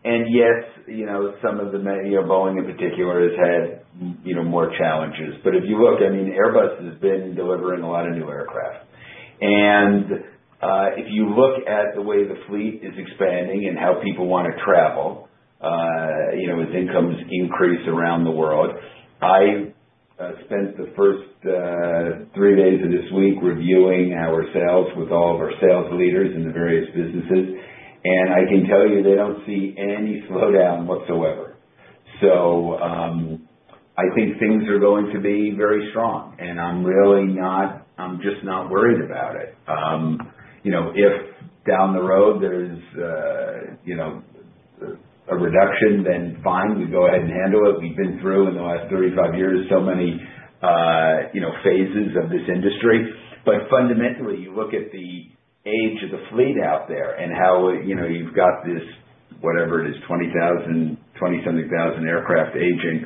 S3: and yes, some of the Boeing in particular has had more challenges, but if you look, I mean, Airbus has been delivering a lot of new aircraft, and if you look at the way the fleet is expanding and how people want to travel as incomes increase around the world. I spent the first three days of this week reviewing our sales with all of our sales leaders in the various businesses, and I can tell you they don't see any slowdown whatsoever, so I think things are going to be very strong, and I'm really not, I'm just not worried about it. If down the road there's a reduction, then fine, we go ahead and handle it. We've been through in the last 35 years so many phases of this industry. But fundamentally, you look at the age of the fleet out there and how you've got this, whatever it is, 20,000, 20-something thousand aircraft aging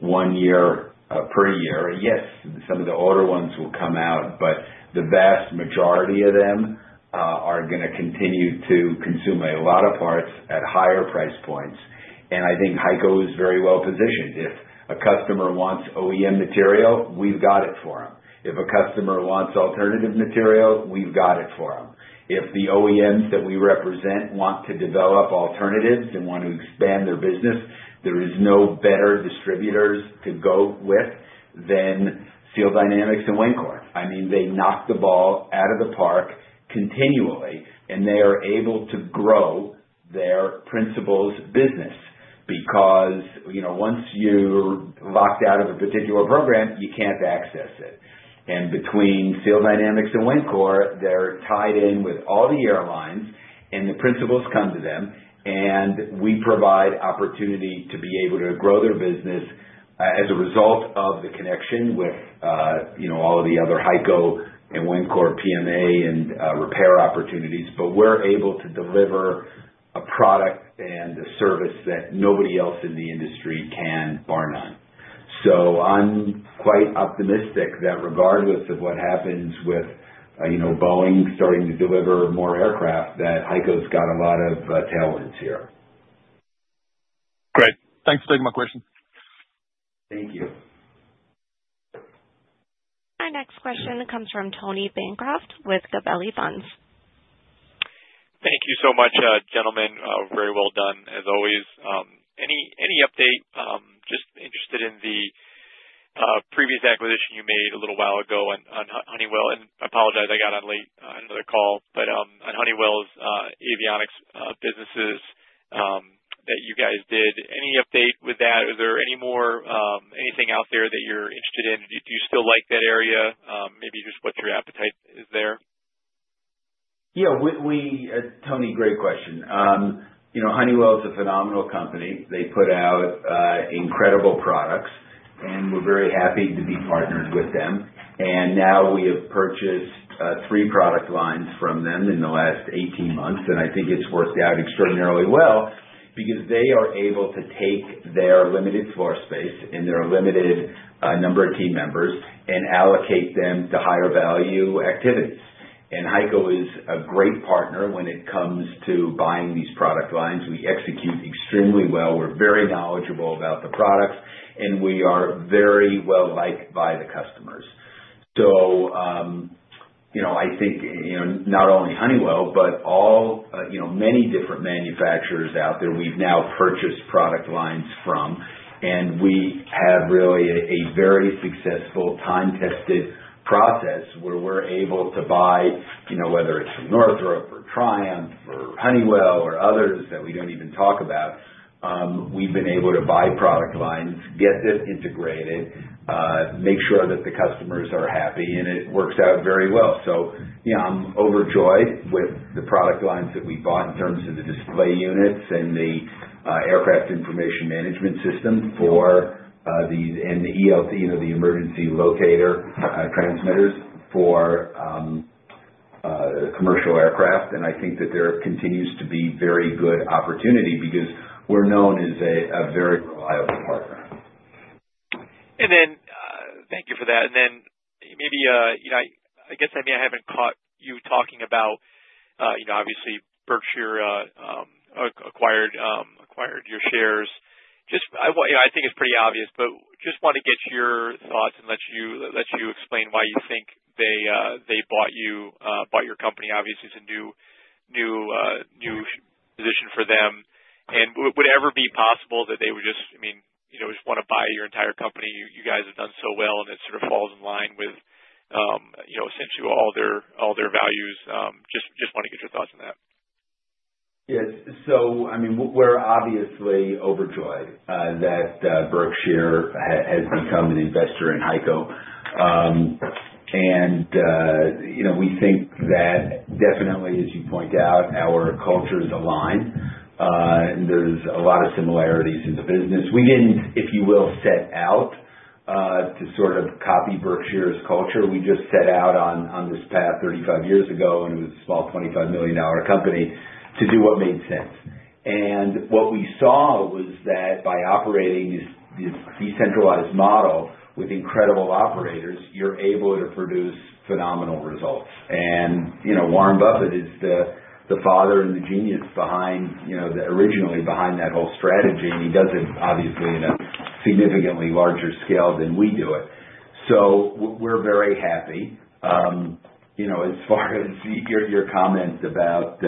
S3: one year per year. Yes, some of the older ones will come out, but the vast majority of them are going to continue to consume a lot of parts at higher price points. And I think HEICO is very well positioned. If a customer wants OEM material, we've got it for them. If a customer wants alternative material, we've got it for them. If the OEMs that we represent want to develop alternatives and want to expand their business, there is no better distributors to go with than Seal Dynamics and Wencor. I mean, they knock the ball out of the park continually. And they are able to grow their principals business because once you're locked out of a particular program, you can't access it. And between Seal Dynamics and Wencor, they're tied in with all the airlines. And the principals come to them. And we provide opportunity to be able to grow their business as a result of the connection with all of the other HEICO and Wencor PMA and repair opportunities. But we're able to deliver a product and a service that nobody else in the industry can, bar none. So I'm quite optimistic that regardless of what happens with Boeing starting to deliver more aircraft, that HEICO's got a lot of tailwinds here.
S10: Great. Thanks for taking my question.
S3: Thank you.
S1: Our next question comes from Tony Bancroft with Gabelli Funds.
S11: Thank you so much, gentlemen. Very well done, as always. Any update? Just interested in the previous acquisition you made a little while ago on Honeywell. And I apologize, I got on late, another call. But on Honeywell's avionics businesses that you guys did, any update with that? Is there anything out there that you're interested in? Do you still like that area? Maybe just what your appetite is there.
S3: Yeah. Tony, great question. Honeywell is a phenomenal company. They put out incredible products. And we're very happy to be partnered with them. And now we have purchased three product lines from them in the last 18 months. And I think it's worked out extraordinarily well because they are able to take their limited floor space and their limited number of team members and allocate them to higher value activities. And HEICO is a great partner when it comes to buying these product lines. We execute extremely well. We're very knowledgeable about the products. And we are very well liked by the customers. So I think not only Honeywell, but many different manufacturers out there we've now purchased product lines from. And we have really a very successful, time-tested process where we're able to buy, whether it's from Northrop or Triumph or Honeywell or others that we don't even talk about. We've been able to buy product lines, get this integrated, make sure that the customers are happy. And it works out very well. So yeah, I'm overjoyed with the product lines that we bought in terms of the display units and the Aircraft Information Management System for the ELT, the emergency locator transmitters for commercial aircraft. And I think that there continues to be very good opportunity because we're known as a very reliable partner.
S11: Thank you for that. Maybe I guess I may have haven't caught you talking about, obviously, Berkshire acquired your shares. I think it's pretty obvious, but just want to get your thoughts and let you explain why you think they bought your company, obviously, as a new position for them. Would it ever be possible that they would just, I mean, just want to buy your entire company? You guys have done so well. It sort of falls in line with essentially all their values. Just want to get your thoughts on that.
S3: Yes. So I mean, we're obviously overjoyed that Berkshire has become an investor in HEICO. And we think that definitely, as you point out, our cultures align. There's a lot of similarities in the business. We didn't, if you will, set out to sort of copy Berkshire's culture. We just set out on this path 35 years ago. And it was a small $25 million company to do what made sense. And what we saw was that by operating this decentralized model with incredible operators, you're able to produce phenomenal results. And Warren Buffett is the father and the genius originally behind that whole strategy. And he does it, obviously, in a significantly larger scale than we do it. So we're very happy. As far as your comments about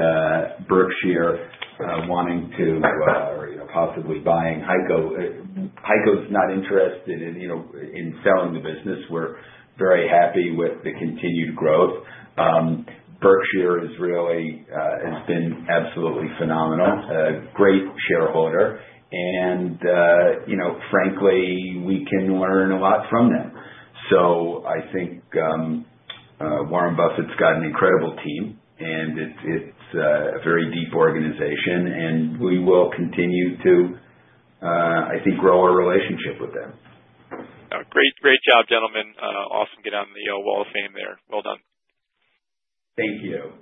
S3: Berkshire wanting to or possibly buying HEICO, HEICO's not interested in selling the business. We're very happy with the continued growth. Berkshire has been absolutely phenomenal, a great shareholder. And frankly, we can learn a lot from them. So I think Warren Buffett's got an incredible team. And it's a very deep organization. And we will continue to, I think, grow our relationship with them.
S11: Great job, gentlemen. Awesome get out on the Wall of Fame there. Well done.
S3: Thank you.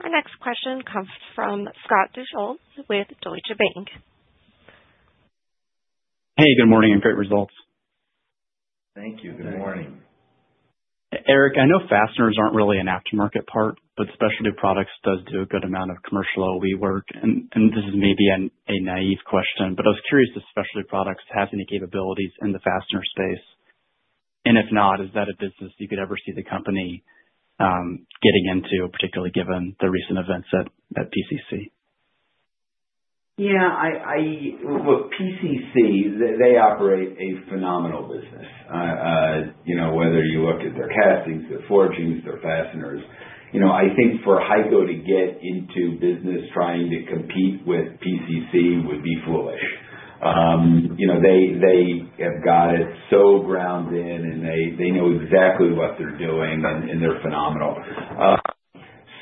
S1: Our next question comes from Scott Deuschle with Deutsche Bank.
S12: Hey, good morning. Great results.
S3: Thank you. Good morning.
S12: Eric, I know fasteners aren't really an aftermarket part, but Specialty Products does do a good amount of commercial OE work. And this is maybe a naive question, but I was curious if Specialty Products have any capabilities in the fastener space. And if not, is that a business you could ever see the company getting into, particularly given the recent events at PCC?
S3: Yeah. Well, PCC, they operate a phenomenal business. Whether you look at their castings, their forgings, their fasteners, I think for HEICO to get into the business trying to compete with PCC would be foolish. They have got it so ingrained, and they know exactly what they're doing, and they're phenomenal,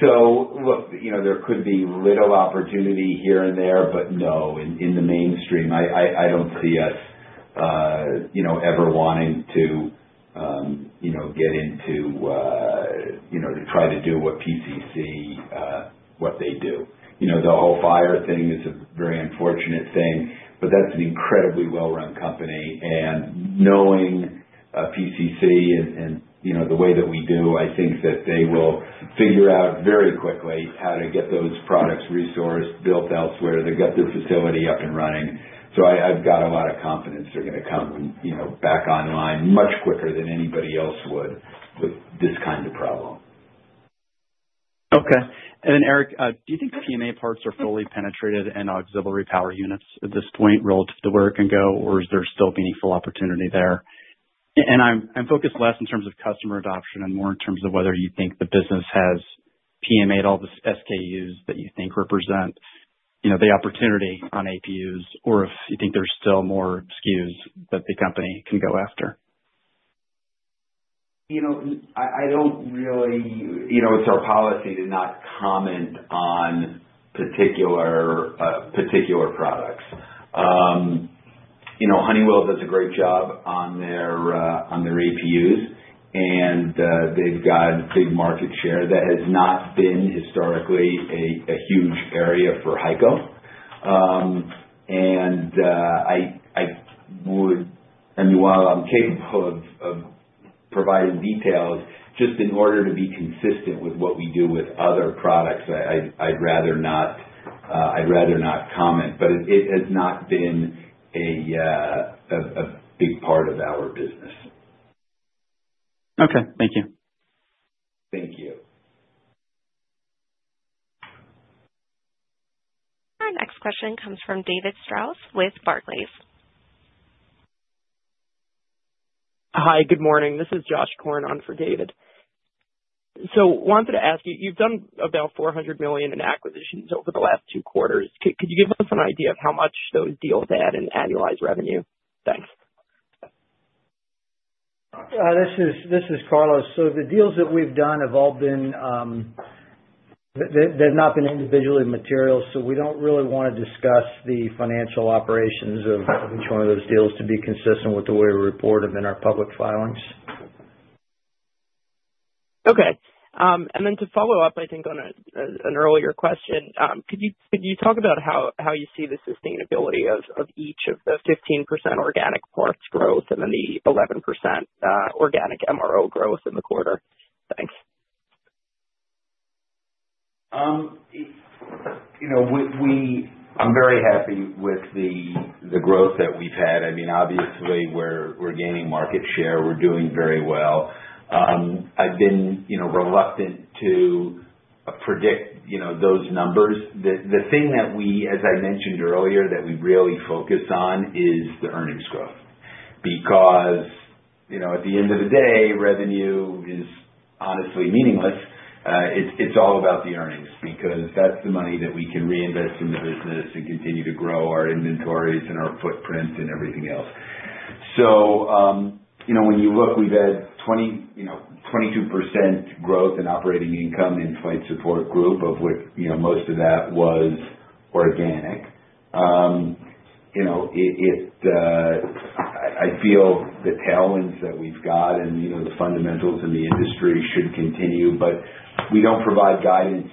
S3: so there could be little opportunity here and there, but no, in the mainstream, I don't see us ever wanting to get into it to try to do what PCC, what they do. The whole fire thing is a very unfortunate thing, but that's an incredibly well-run company, and knowing PCC and the way that we do, I think that they will figure out very quickly how to get those products resourced, built elsewhere. They've got their facility up and running. I've got a lot of confidence they're going to come back online much quicker than anybody else would with this kind of problem.
S12: Okay. And then, Eric, do you think PMA parts are fully penetrated and auxiliary power units at this point relative to where it can go? Or is there still meaningful opportunity there? And I'm focused less in terms of customer adoption and more in terms of whether you think the business has PMA'd all the SKUs that you think represent the opportunity on APUs or if you think there's still more SKUs that the company can go after.
S3: I don't really, it's our policy to not comment on particular products. Honeywell does a great job on their APUs, and they've got a big market share that has not been historically a huge area for HEICO. I would, I mean, while I'm capable of providing details, just in order to be consistent with what we do with other products, I'd rather not comment, but it has not been a big part of our business.
S12: Okay. Thank you.
S3: Thank you.
S1: Our next question comes from David Strauss with Barclays.
S13: Hi, good morning. This is Josh Korn on for David. So I wanted to ask you, you've done about $400 million in acquisitions over the last two quarters. Could you give us an idea of how much those deals add in annualized revenue? Thanks.
S8: This is Carlos. So the deals that we've done have all been. They've not been individually material, so we don't really want to discuss the financial operations of each one of those deals to be consistent with the way we report them in our public filings.
S13: Okay. And then to follow up, I think on an earlier question, could you talk about how you see the sustainability of each of the 15% organic parts growth and then the 11% organic MRO growth in the quarter? Thanks.
S3: I'm very happy with the growth that we've had. I mean, obviously, we're gaining market share. We're doing very well. I've been reluctant to predict those numbers. The thing that we, as I mentioned earlier, that we really focus on is the earnings growth. Because at the end of the day, revenue is honestly meaningless. It's all about the earnings because that's the money that we can reinvest in the business and continue to grow our inventories and our footprint and everything else. So when you look, we've had 22% growth in operating income in Flight Support Group of which most of that was organic. I feel the tailwinds that we've got and the fundamentals in the industry should continue. But we don't provide guidance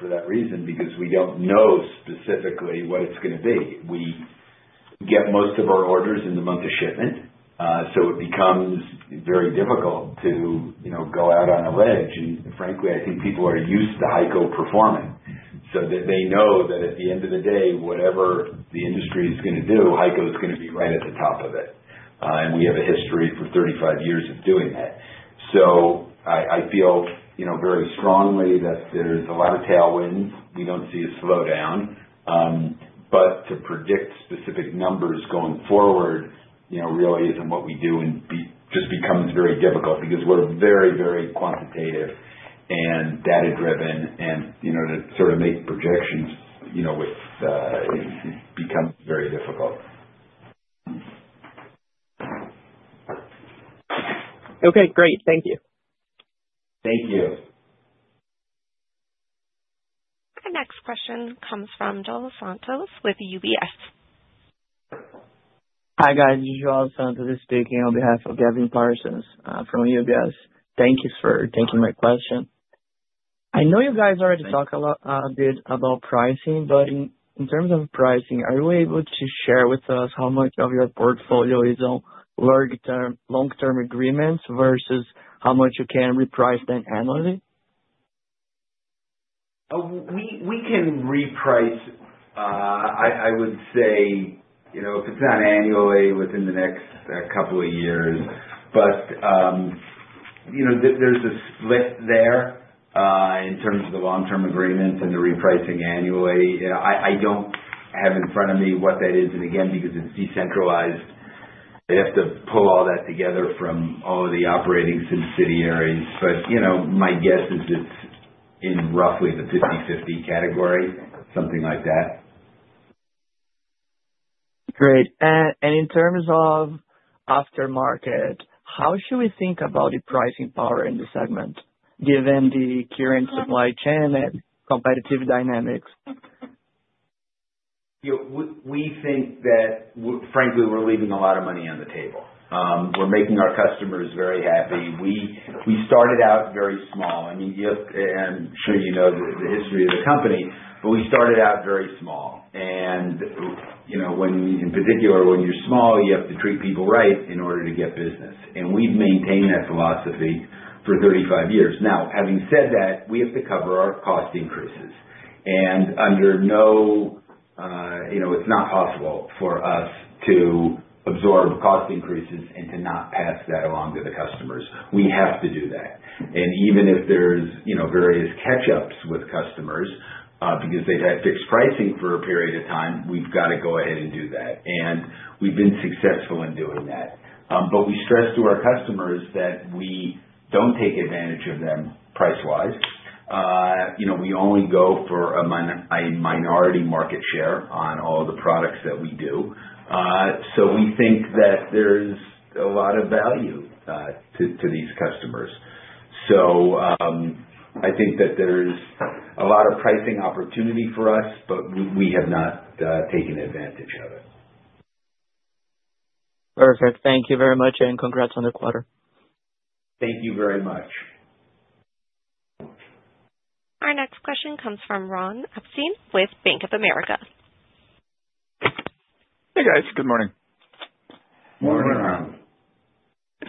S3: for that reason because we don't know specifically what it's going to be. We get most of our orders in the month of shipment. So it becomes very difficult to go out on a ledge. And frankly, I think people are used to HEICO performing. So they know that at the end of the day, whatever the industry is going to do, HEICO's going to be right at the top of it. And we have a history for 35 years of doing that. So I feel very strongly that there's a lot of tailwinds. We don't see a slowdown. But to predict specific numbers going forward really isn't what we do and just becomes very difficult because we're very, very quantitative and data-driven. And to sort of make projections becomes very difficult.
S13: Okay. Great. Thank you.
S3: Thank you.
S1: Our next question comes from João Santos with UBS.
S14: Hi guys. João Santos speaking on behalf of Gavin Parsons from UBS. Thank you for taking my question. I know you guys already talked a bit about pricing. But in terms of pricing, are you able to share with us how much of your portfolio is on long-term agreements versus how much you can reprice them annually?
S3: We can reprice, I would say, if it's not annually within the next couple of years. But there's a split there in terms of the long-term agreements and the repricing annually. I don't have in front of me what that is. And again, because it's decentralized, I'd have to pull all that together from all of the operating subsidiaries. But my guess is it's in roughly the 50/50 category, something like that.
S14: Great. And in terms of aftermarket, how should we think about the pricing power in the segment given the current supply chain and competitive dynamics?
S3: We think that, frankly, we're leaving a lot of money on the table. We're making our customers very happy. We started out very small. I mean, I'm sure you know the history of the company. But we started out very small. And in particular, when you're small, you have to treat people right in order to get business. And we've maintained that philosophy for 35 years. Now, having said that, we have to cover our cost increases. And it's not possible for us to absorb cost increases and to not pass that along to the customers. We have to do that. And even if there's various catch-ups with customers because they've had fixed pricing for a period of time, we've got to go ahead and do that. And we've been successful in doing that. But we stress to our customers that we don't take advantage of them price-wise. We only go for a minority market share on all the products that we do. So we think that there's a lot of value to these customers. So I think that there's a lot of pricing opportunity for us. But we have not taken advantage of it.
S14: Perfect. Thank you very much and congrats on the quarter.
S3: Thank you very much.
S1: Our next question comes from Ron Epstein with Bank of America.
S15: Hey guys. Good morning.
S3: Morning, Ron.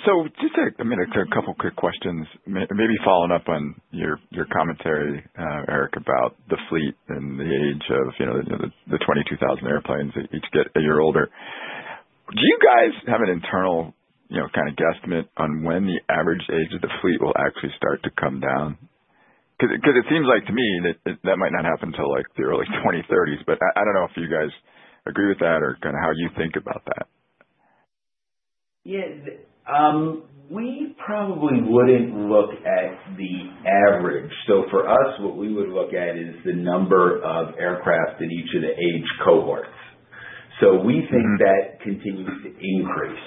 S15: So just a minute. A couple of quick questions. Maybe following up on your commentary, Eric, about the fleet and the age of the 22,000 airplanes that each get a year older. Do you guys have an internal kind of guesstimate on when the average age of the fleet will actually start to come down? Because it seems like to me that might not happen until the early 2030s. But I don't know if you guys agree with that or kind of how you think about that.
S3: Yeah. We probably wouldn't look at the average. So for us, what we would look at is the number of aircraft in each of the age cohorts. So we think that continues to increase.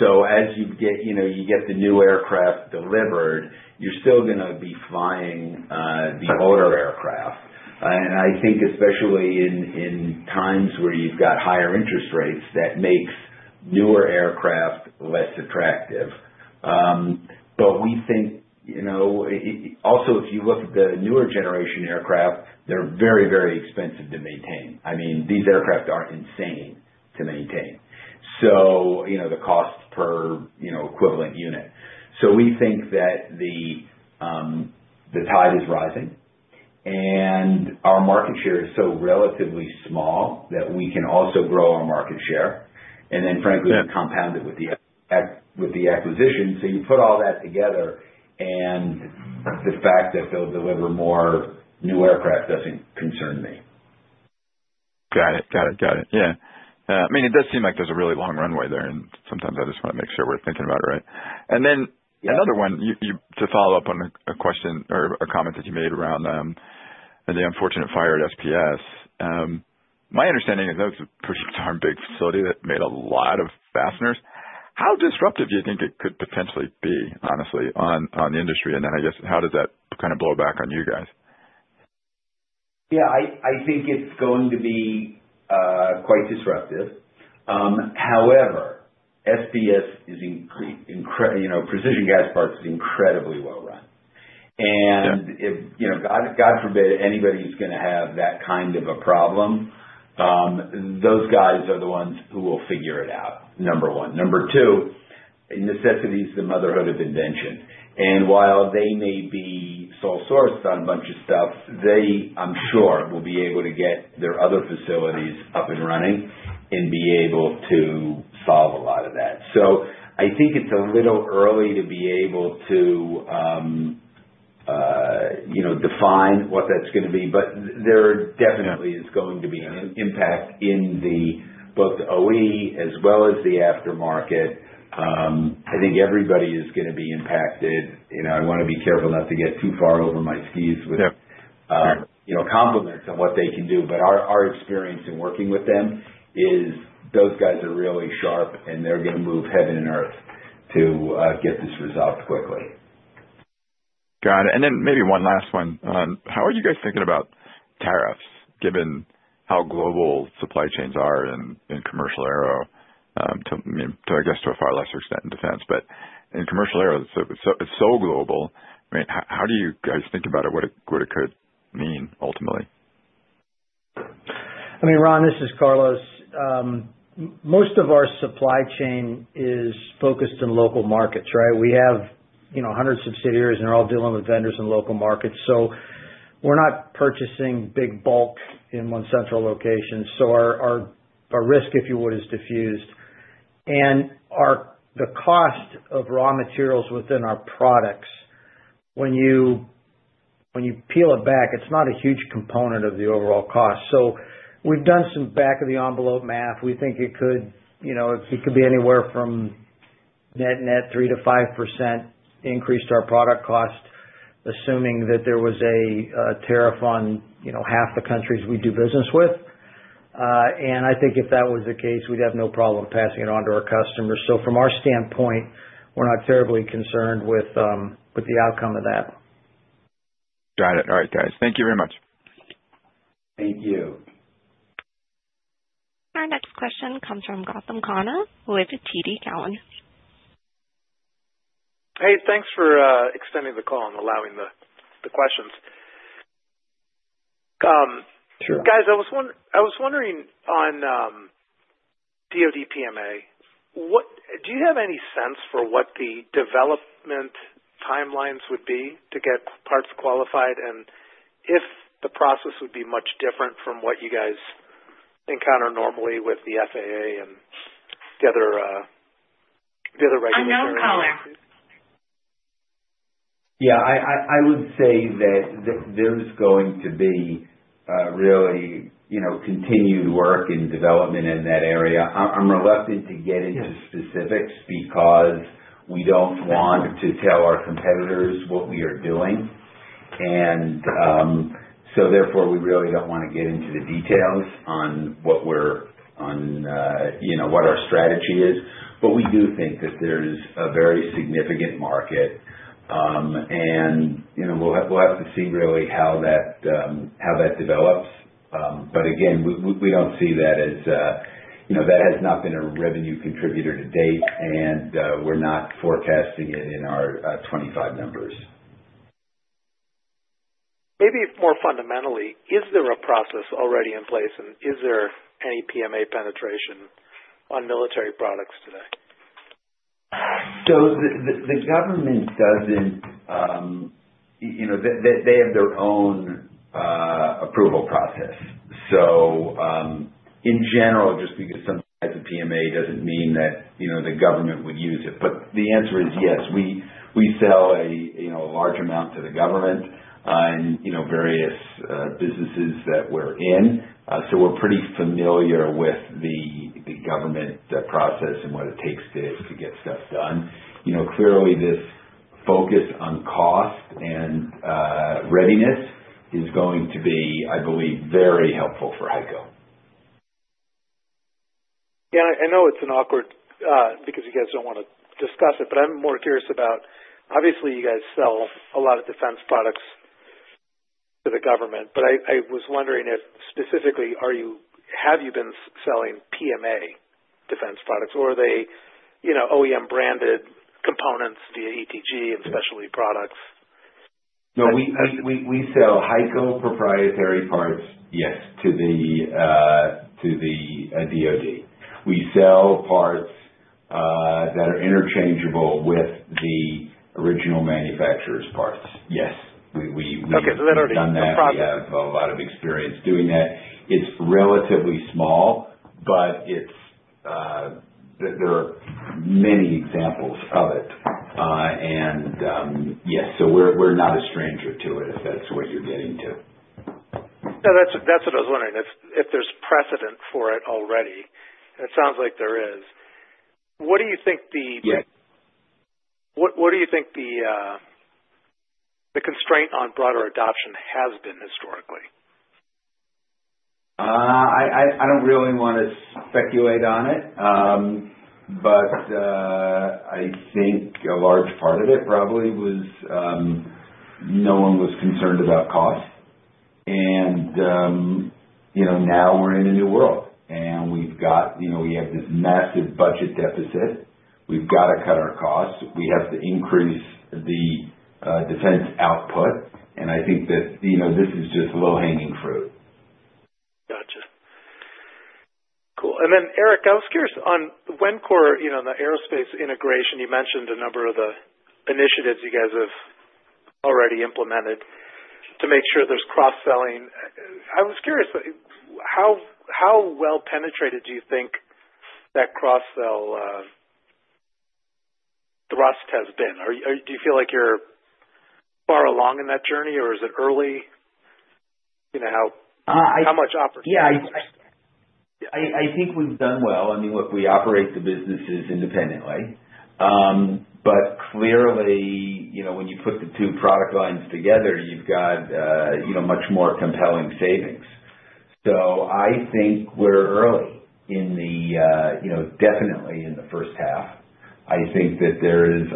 S3: So as you get the new aircraft delivered, you're still going to be flying the older aircraft. And I think especially in times where you've got higher interest rates, that makes newer aircraft less attractive. But we think also if you look at the newer generation aircraft, they're very, very expensive to maintain. I mean, these aircraft are insane to maintain. So the cost per equivalent unit. So we think that the tide is rising. And our market share is so relatively small that we can also grow our market share. And then frankly, we compound it with the acquisition. So you put all that together. The fact that they'll deliver more new aircraft doesn't concern me.
S15: Got it. Got it. Got it. Yeah. I mean, it does seem like there's a really long runway there. And sometimes I just want to make sure we're thinking about it right. And then another one, to follow up on a question or a comment that you made around the unfortunate fire at SPS. My understanding is that was a pretty darn big facility that made a lot of fasteners. How disruptive do you think it could potentially be, honestly, on the industry? And then I guess how does that kind of blow back on you guys?
S3: Yeah. I think it's going to be quite disruptive. However, SPS is incredible. Precision Castparts is incredibly well-run. And God forbid anybody's going to have that kind of a problem. Those guys are the ones who will figure it out, number one. Number two, necessity is the mother of invention. And while they may be sole source on a bunch of stuff, they, I'm sure, will be able to get their other facilities up and running and be able to solve a lot of that. So I think it's a little early to be able to define what that's going to be. But there definitely is going to be an impact in both OE as well as the aftermarket. I think everybody is going to be impacted. I want to be careful not to get too far over my skis with compliments on what they can do. But our experience in working with them is those guys are really sharp, and they're going to move heaven and earth to get this resolved quickly.
S15: Got it. And then maybe one last one. How are you guys thinking about tariffs given how global supply chains are in commercial aero? I guess to a far lesser extent in defense. But in commercial aero, it's so global. I mean, how do you guys think about it? What it could mean ultimately?
S8: I mean, Ron, this is Carlos. Most of our supply chain is focused in local markets, right? We have hundreds of subsidiaries. And they're all dealing with vendors in local markets. So we're not purchasing big bulk in one central location. So our risk, if you would, is diffused. And the cost of raw materials within our products, when you peel it back, it's not a huge component of the overall cost. So we've done some back-of-the-envelope math. We think it could be anywhere from net, net 3%-5% increased our product cost, assuming that there was a tariff on half the countries we do business with. And I think if that was the case, we'd have no problem passing it on to our customers. So from our standpoint, we're not terribly concerned with the outcome of that.
S15: Got it. All right, guys. Thank you very much.
S3: Thank you.
S1: Our next question comes from Gautam Khanna with TD Cowen.
S16: Hey, thanks for extending the call and allowing the questions.
S3: Sure.
S16: Guys, I was wondering on DOD PMA, do you have any sense for what the development timelines would be to get parts qualified? And if the process would be much different from what you guys encounter normally with the FAA and the other regulatory agencies?
S3: Yeah. I would say that there's going to be really continued work in development in that area. I'm reluctant to get into specifics because we don't want to tell our competitors what we are doing. And so therefore, we really don't want to get into the details on what we're on, what our strategy is. But we do think that there's a very significant market. And we'll have to see really how that develops. But again, we don't see that as. That has not been a revenue contributor to date. And we're not forecasting it in our 2025 numbers.
S16: Maybe more fundamentally, is there a process already in place? And is there any PMA penetration on military products today?
S3: So the government doesn't. They have their own approval process. So in general, just because something has a PMA doesn't mean that the government would use it. But the answer is yes. We sell a large amount to the government and various businesses that we're in. So we're pretty familiar with the government process and what it takes to get stuff done. Clearly, this focus on cost and readiness is going to be, I believe, very helpful for HEICO.
S16: Yeah. I know it's awkward because you guys don't want to discuss it. But I'm more curious about obviously, you guys sell a lot of defense products to the government. But I was wondering if specifically, have you been selling PMA defense products? Or are they OEM-branded components via ETG and Specialty Products?
S3: No. We sell HEICO proprietary parts, yes, to the DOD. We sell parts that are interchangeable with the original manufacturer's parts. Yes. We've done that.
S16: Okay, so that already is a product.
S3: We have a lot of experience doing that. It's relatively small. But there are many examples of it. And yes. So we're not a stranger to it if that's what you're getting to.
S16: Yeah. That's what I was wondering. If there's precedent for it already, and it sounds like there is. What do you think the constraint on broader adoption has been historically?
S3: I don't really want to speculate on it, but I think a large part of it probably was that no one was concerned about cost, and now we're in a new world, and we have this massive budget deficit. We've got to cut our costs. We have to increase the defense output, and I think that this is just low-hanging fruit.
S16: Gotcha. Cool. And then Eric, I was curious on Wencor, the aerospace integration. You mentioned a number of the initiatives you guys have already implemented to make sure there's cross-selling. I was curious, how well-penetrated do you think that cross-sell thrust has been? Do you feel like you're far along in that journey? Or is it early? How much operative?
S3: Yeah. I think we've done well. I mean, look, we operate the businesses independently. But clearly, when you put the two product lines together, you've got much more compelling savings. So I think we're early in the, definitely in the first half. I think that there is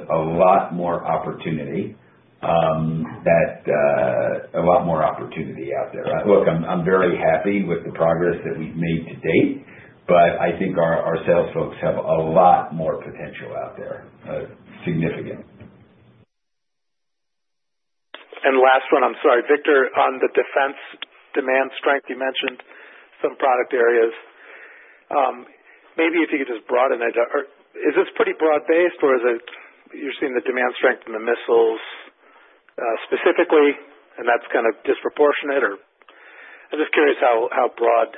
S3: a lot more opportunity out there. Look, I'm very happy with the progress that we've made to date. But I think our sales folks have a lot more potential out there, significant.
S16: And last one. I'm sorry. Victor, on the defense demand strength, you mentioned some product areas. Maybe if you could just broaden it. Is this pretty broad-based? Or is it you're seeing the demand strength in the missiles specifically? And that's kind of disproportionate? Or I'm just curious how broad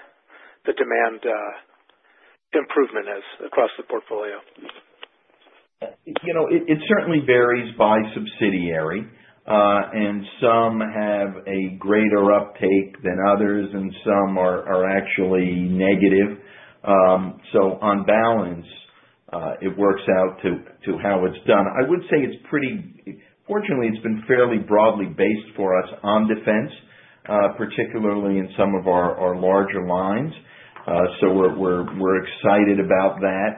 S16: the demand improvement is across the portfolio.
S17: It certainly varies by subsidiary. And some have a greater uptake than others. And some are actually negative. So on balance, it works out to how it's done. I would say it's pretty fortunate, it's been fairly broadly based for us on defense, particularly in some of our larger lines. So we're excited about that.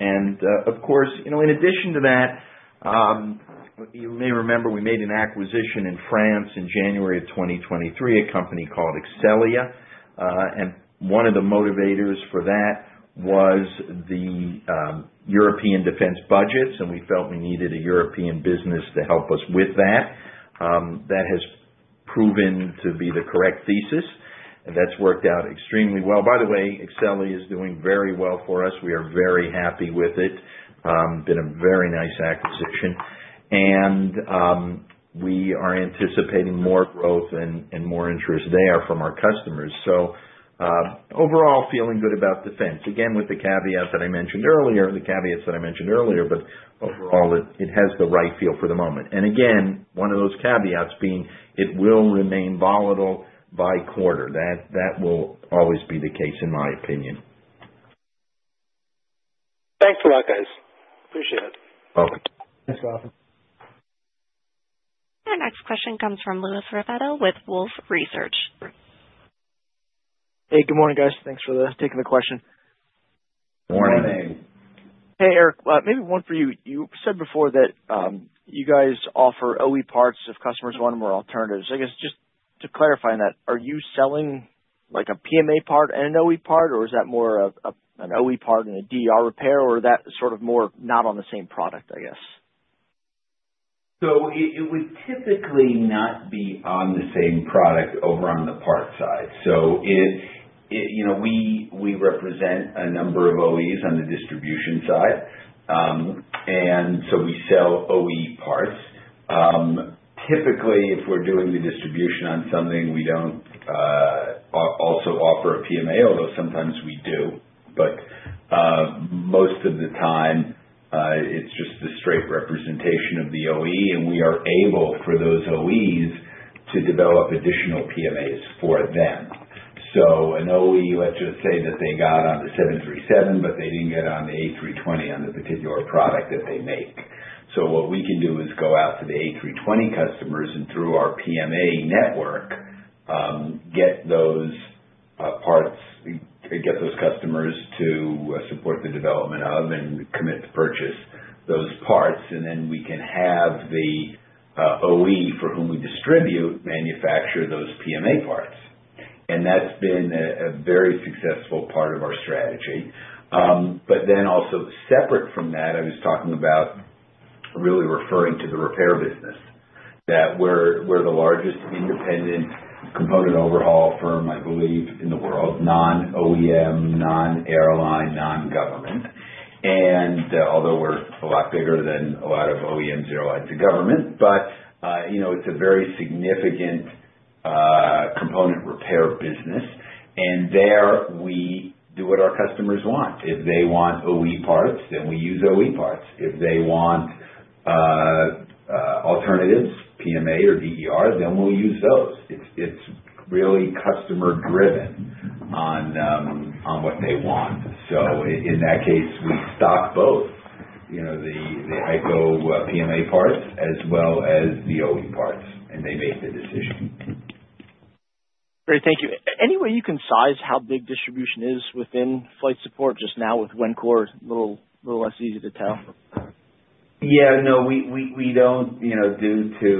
S17: And of course, in addition to that, you may remember we made an acquisition in France in January of 2023, a company called Exxelia. And one of the motivators for that was the European defense budgets. And we felt we needed a European business to help us with that. That has proven to be the correct thesis. And that's worked out extremely well. By the way, Exxelia is doing very well for us. We are very happy with it. It's been a very nice acquisition. And we are anticipating more growth and more interest there from our customers. So overall, feeling good about defense. Again, with the caveat that I mentioned earlier, the caveats that I mentioned earlier. But overall, it has the right feel for the moment. And again, one of those caveats being it will remain volatile by quarter. That will always be the case, in my opinion.
S16: Thanks a lot, guys. Appreciate it.
S3: Thanks, Gautam.
S1: Our next question comes from Louis Raffetto with Wolfe Research.
S18: Hey. Good morning, guys. Thanks for taking the question.
S3: Morning.
S18: Hey, Eric. Maybe one for you. You said before that you guys offer OE parts if customers want them or alternatives. I guess just to clarify on that, are you selling a PMA part and an OE part? Or is that more an OE part and a DER repair? Or that sort of more not on the same product, I guess?
S3: So it would typically not be on the same product over on the part side. So we represent a number of OEs on the distribution side. And so we sell OE parts. Typically, if we're doing the distribution on something, we don't also offer a PMA, although sometimes we do. But most of the time, it's just the straight representation of the OE. And we are able, for those OEs, to develop additional PMAs for them. So an OE, let's just say that they got on the 737, but they didn't get on the A320 on the particular product that they make. So what we can do is go out to the A320 customers and, through our PMA network, get those customers to support the development of and commit to purchase those parts. And then we can have the OEM for whom we distribute manufacture those PMA parts. And that's been a very successful part of our strategy. But then also separate from that, I was talking about really referring to the repair business. That we're the largest independent component overhaul firm, I believe, in the world. Non-OEM, non-airline, non-government. And although we're a lot bigger than a lot of OEMs who are like the government, but it's a very significant component repair business. And there, we do what our customers want. If they want OE parts, then we use OE parts. If they want alternatives, PMA or DER, then we'll use those. It's really customer-driven on what they want. So in that case, we stock both the HEICO PMA parts as well as the OE parts. And they make the decision.
S18: Great. Thank you. Any way you can size how big distribution is within Flight Support? Just now with Wencor, a little less easy to tell.
S3: Yeah. No. We don't, due to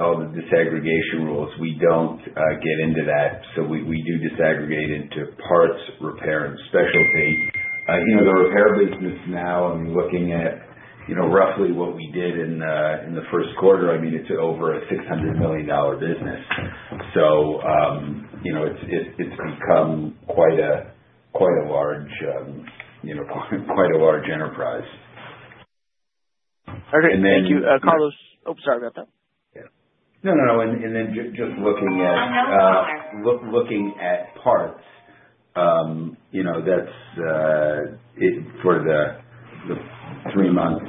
S3: all the disaggregation rules, we don't get into that. So we do disaggregate into parts, repair, and specialty. The repair business now, I mean, looking at roughly what we did in the first quarter, I mean, it's over a $600 million business. So it's become quite a large enterprise.
S18: All right. Thank you, Carlos. Oh, sorry about that.
S3: Yeah. No, no, no, and then just looking at. I'm not so sure. Looking at parts, that's for the three months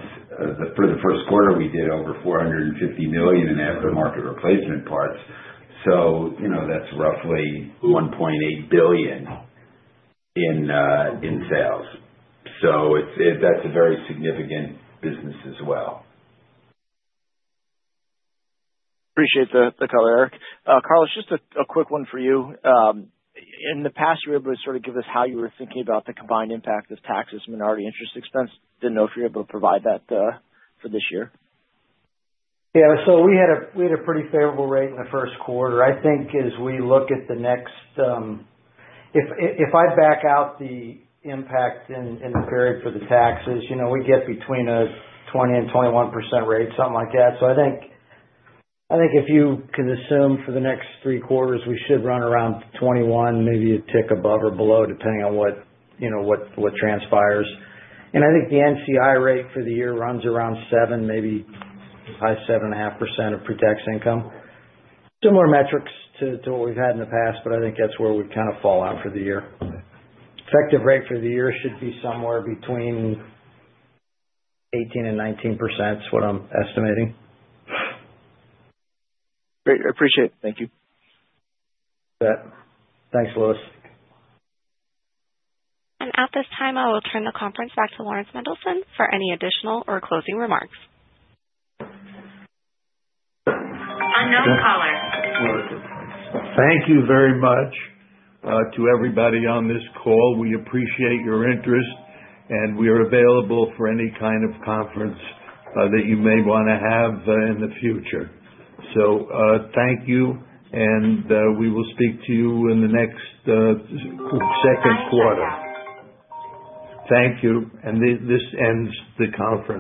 S3: for the first quarter, we did over $450 million in aftermarket replacement parts. So that's roughly $1.8 billion in sales. So that's a very significant business as well.
S18: Appreciate the color, Eric. Carlos, just a quick one for you. In the past, you were able to sort of give us how you were thinking about the combined impact of taxes, minority, interest expense. Didn't know if you were able to provide that for this year.
S8: Yeah. So we had a pretty favorable rate in the first quarter. I think as we look at the next if I back out the impact in the period for the taxes, we get between 20% and 21% rates, something like that. So I think if you can assume for the next three quarters, we should run around 21%, maybe a tick above or below, depending on what transpires. And I think the NCI rate for the year runs around 7%, maybe high 7.5% of protected income. Similar metrics to what we've had in the past. But I think that's where we kind of fall out for the year. Effective rate for the year should be somewhere between 18% and 19%, is what I'm estimating.
S18: Great. Appreciate it. Thank you.
S8: Thanks, Louis.
S1: And at this time, I will turn the conference back to Laurans Mendelson for any additional or closing remarks.
S2: Thank you very much to everybody on this call. We appreciate your interest. And we are available for any kind of conference that you may want to have in the future. So thank you. And we will speak to you in the next second quarter. Thank you. And this ends the conference.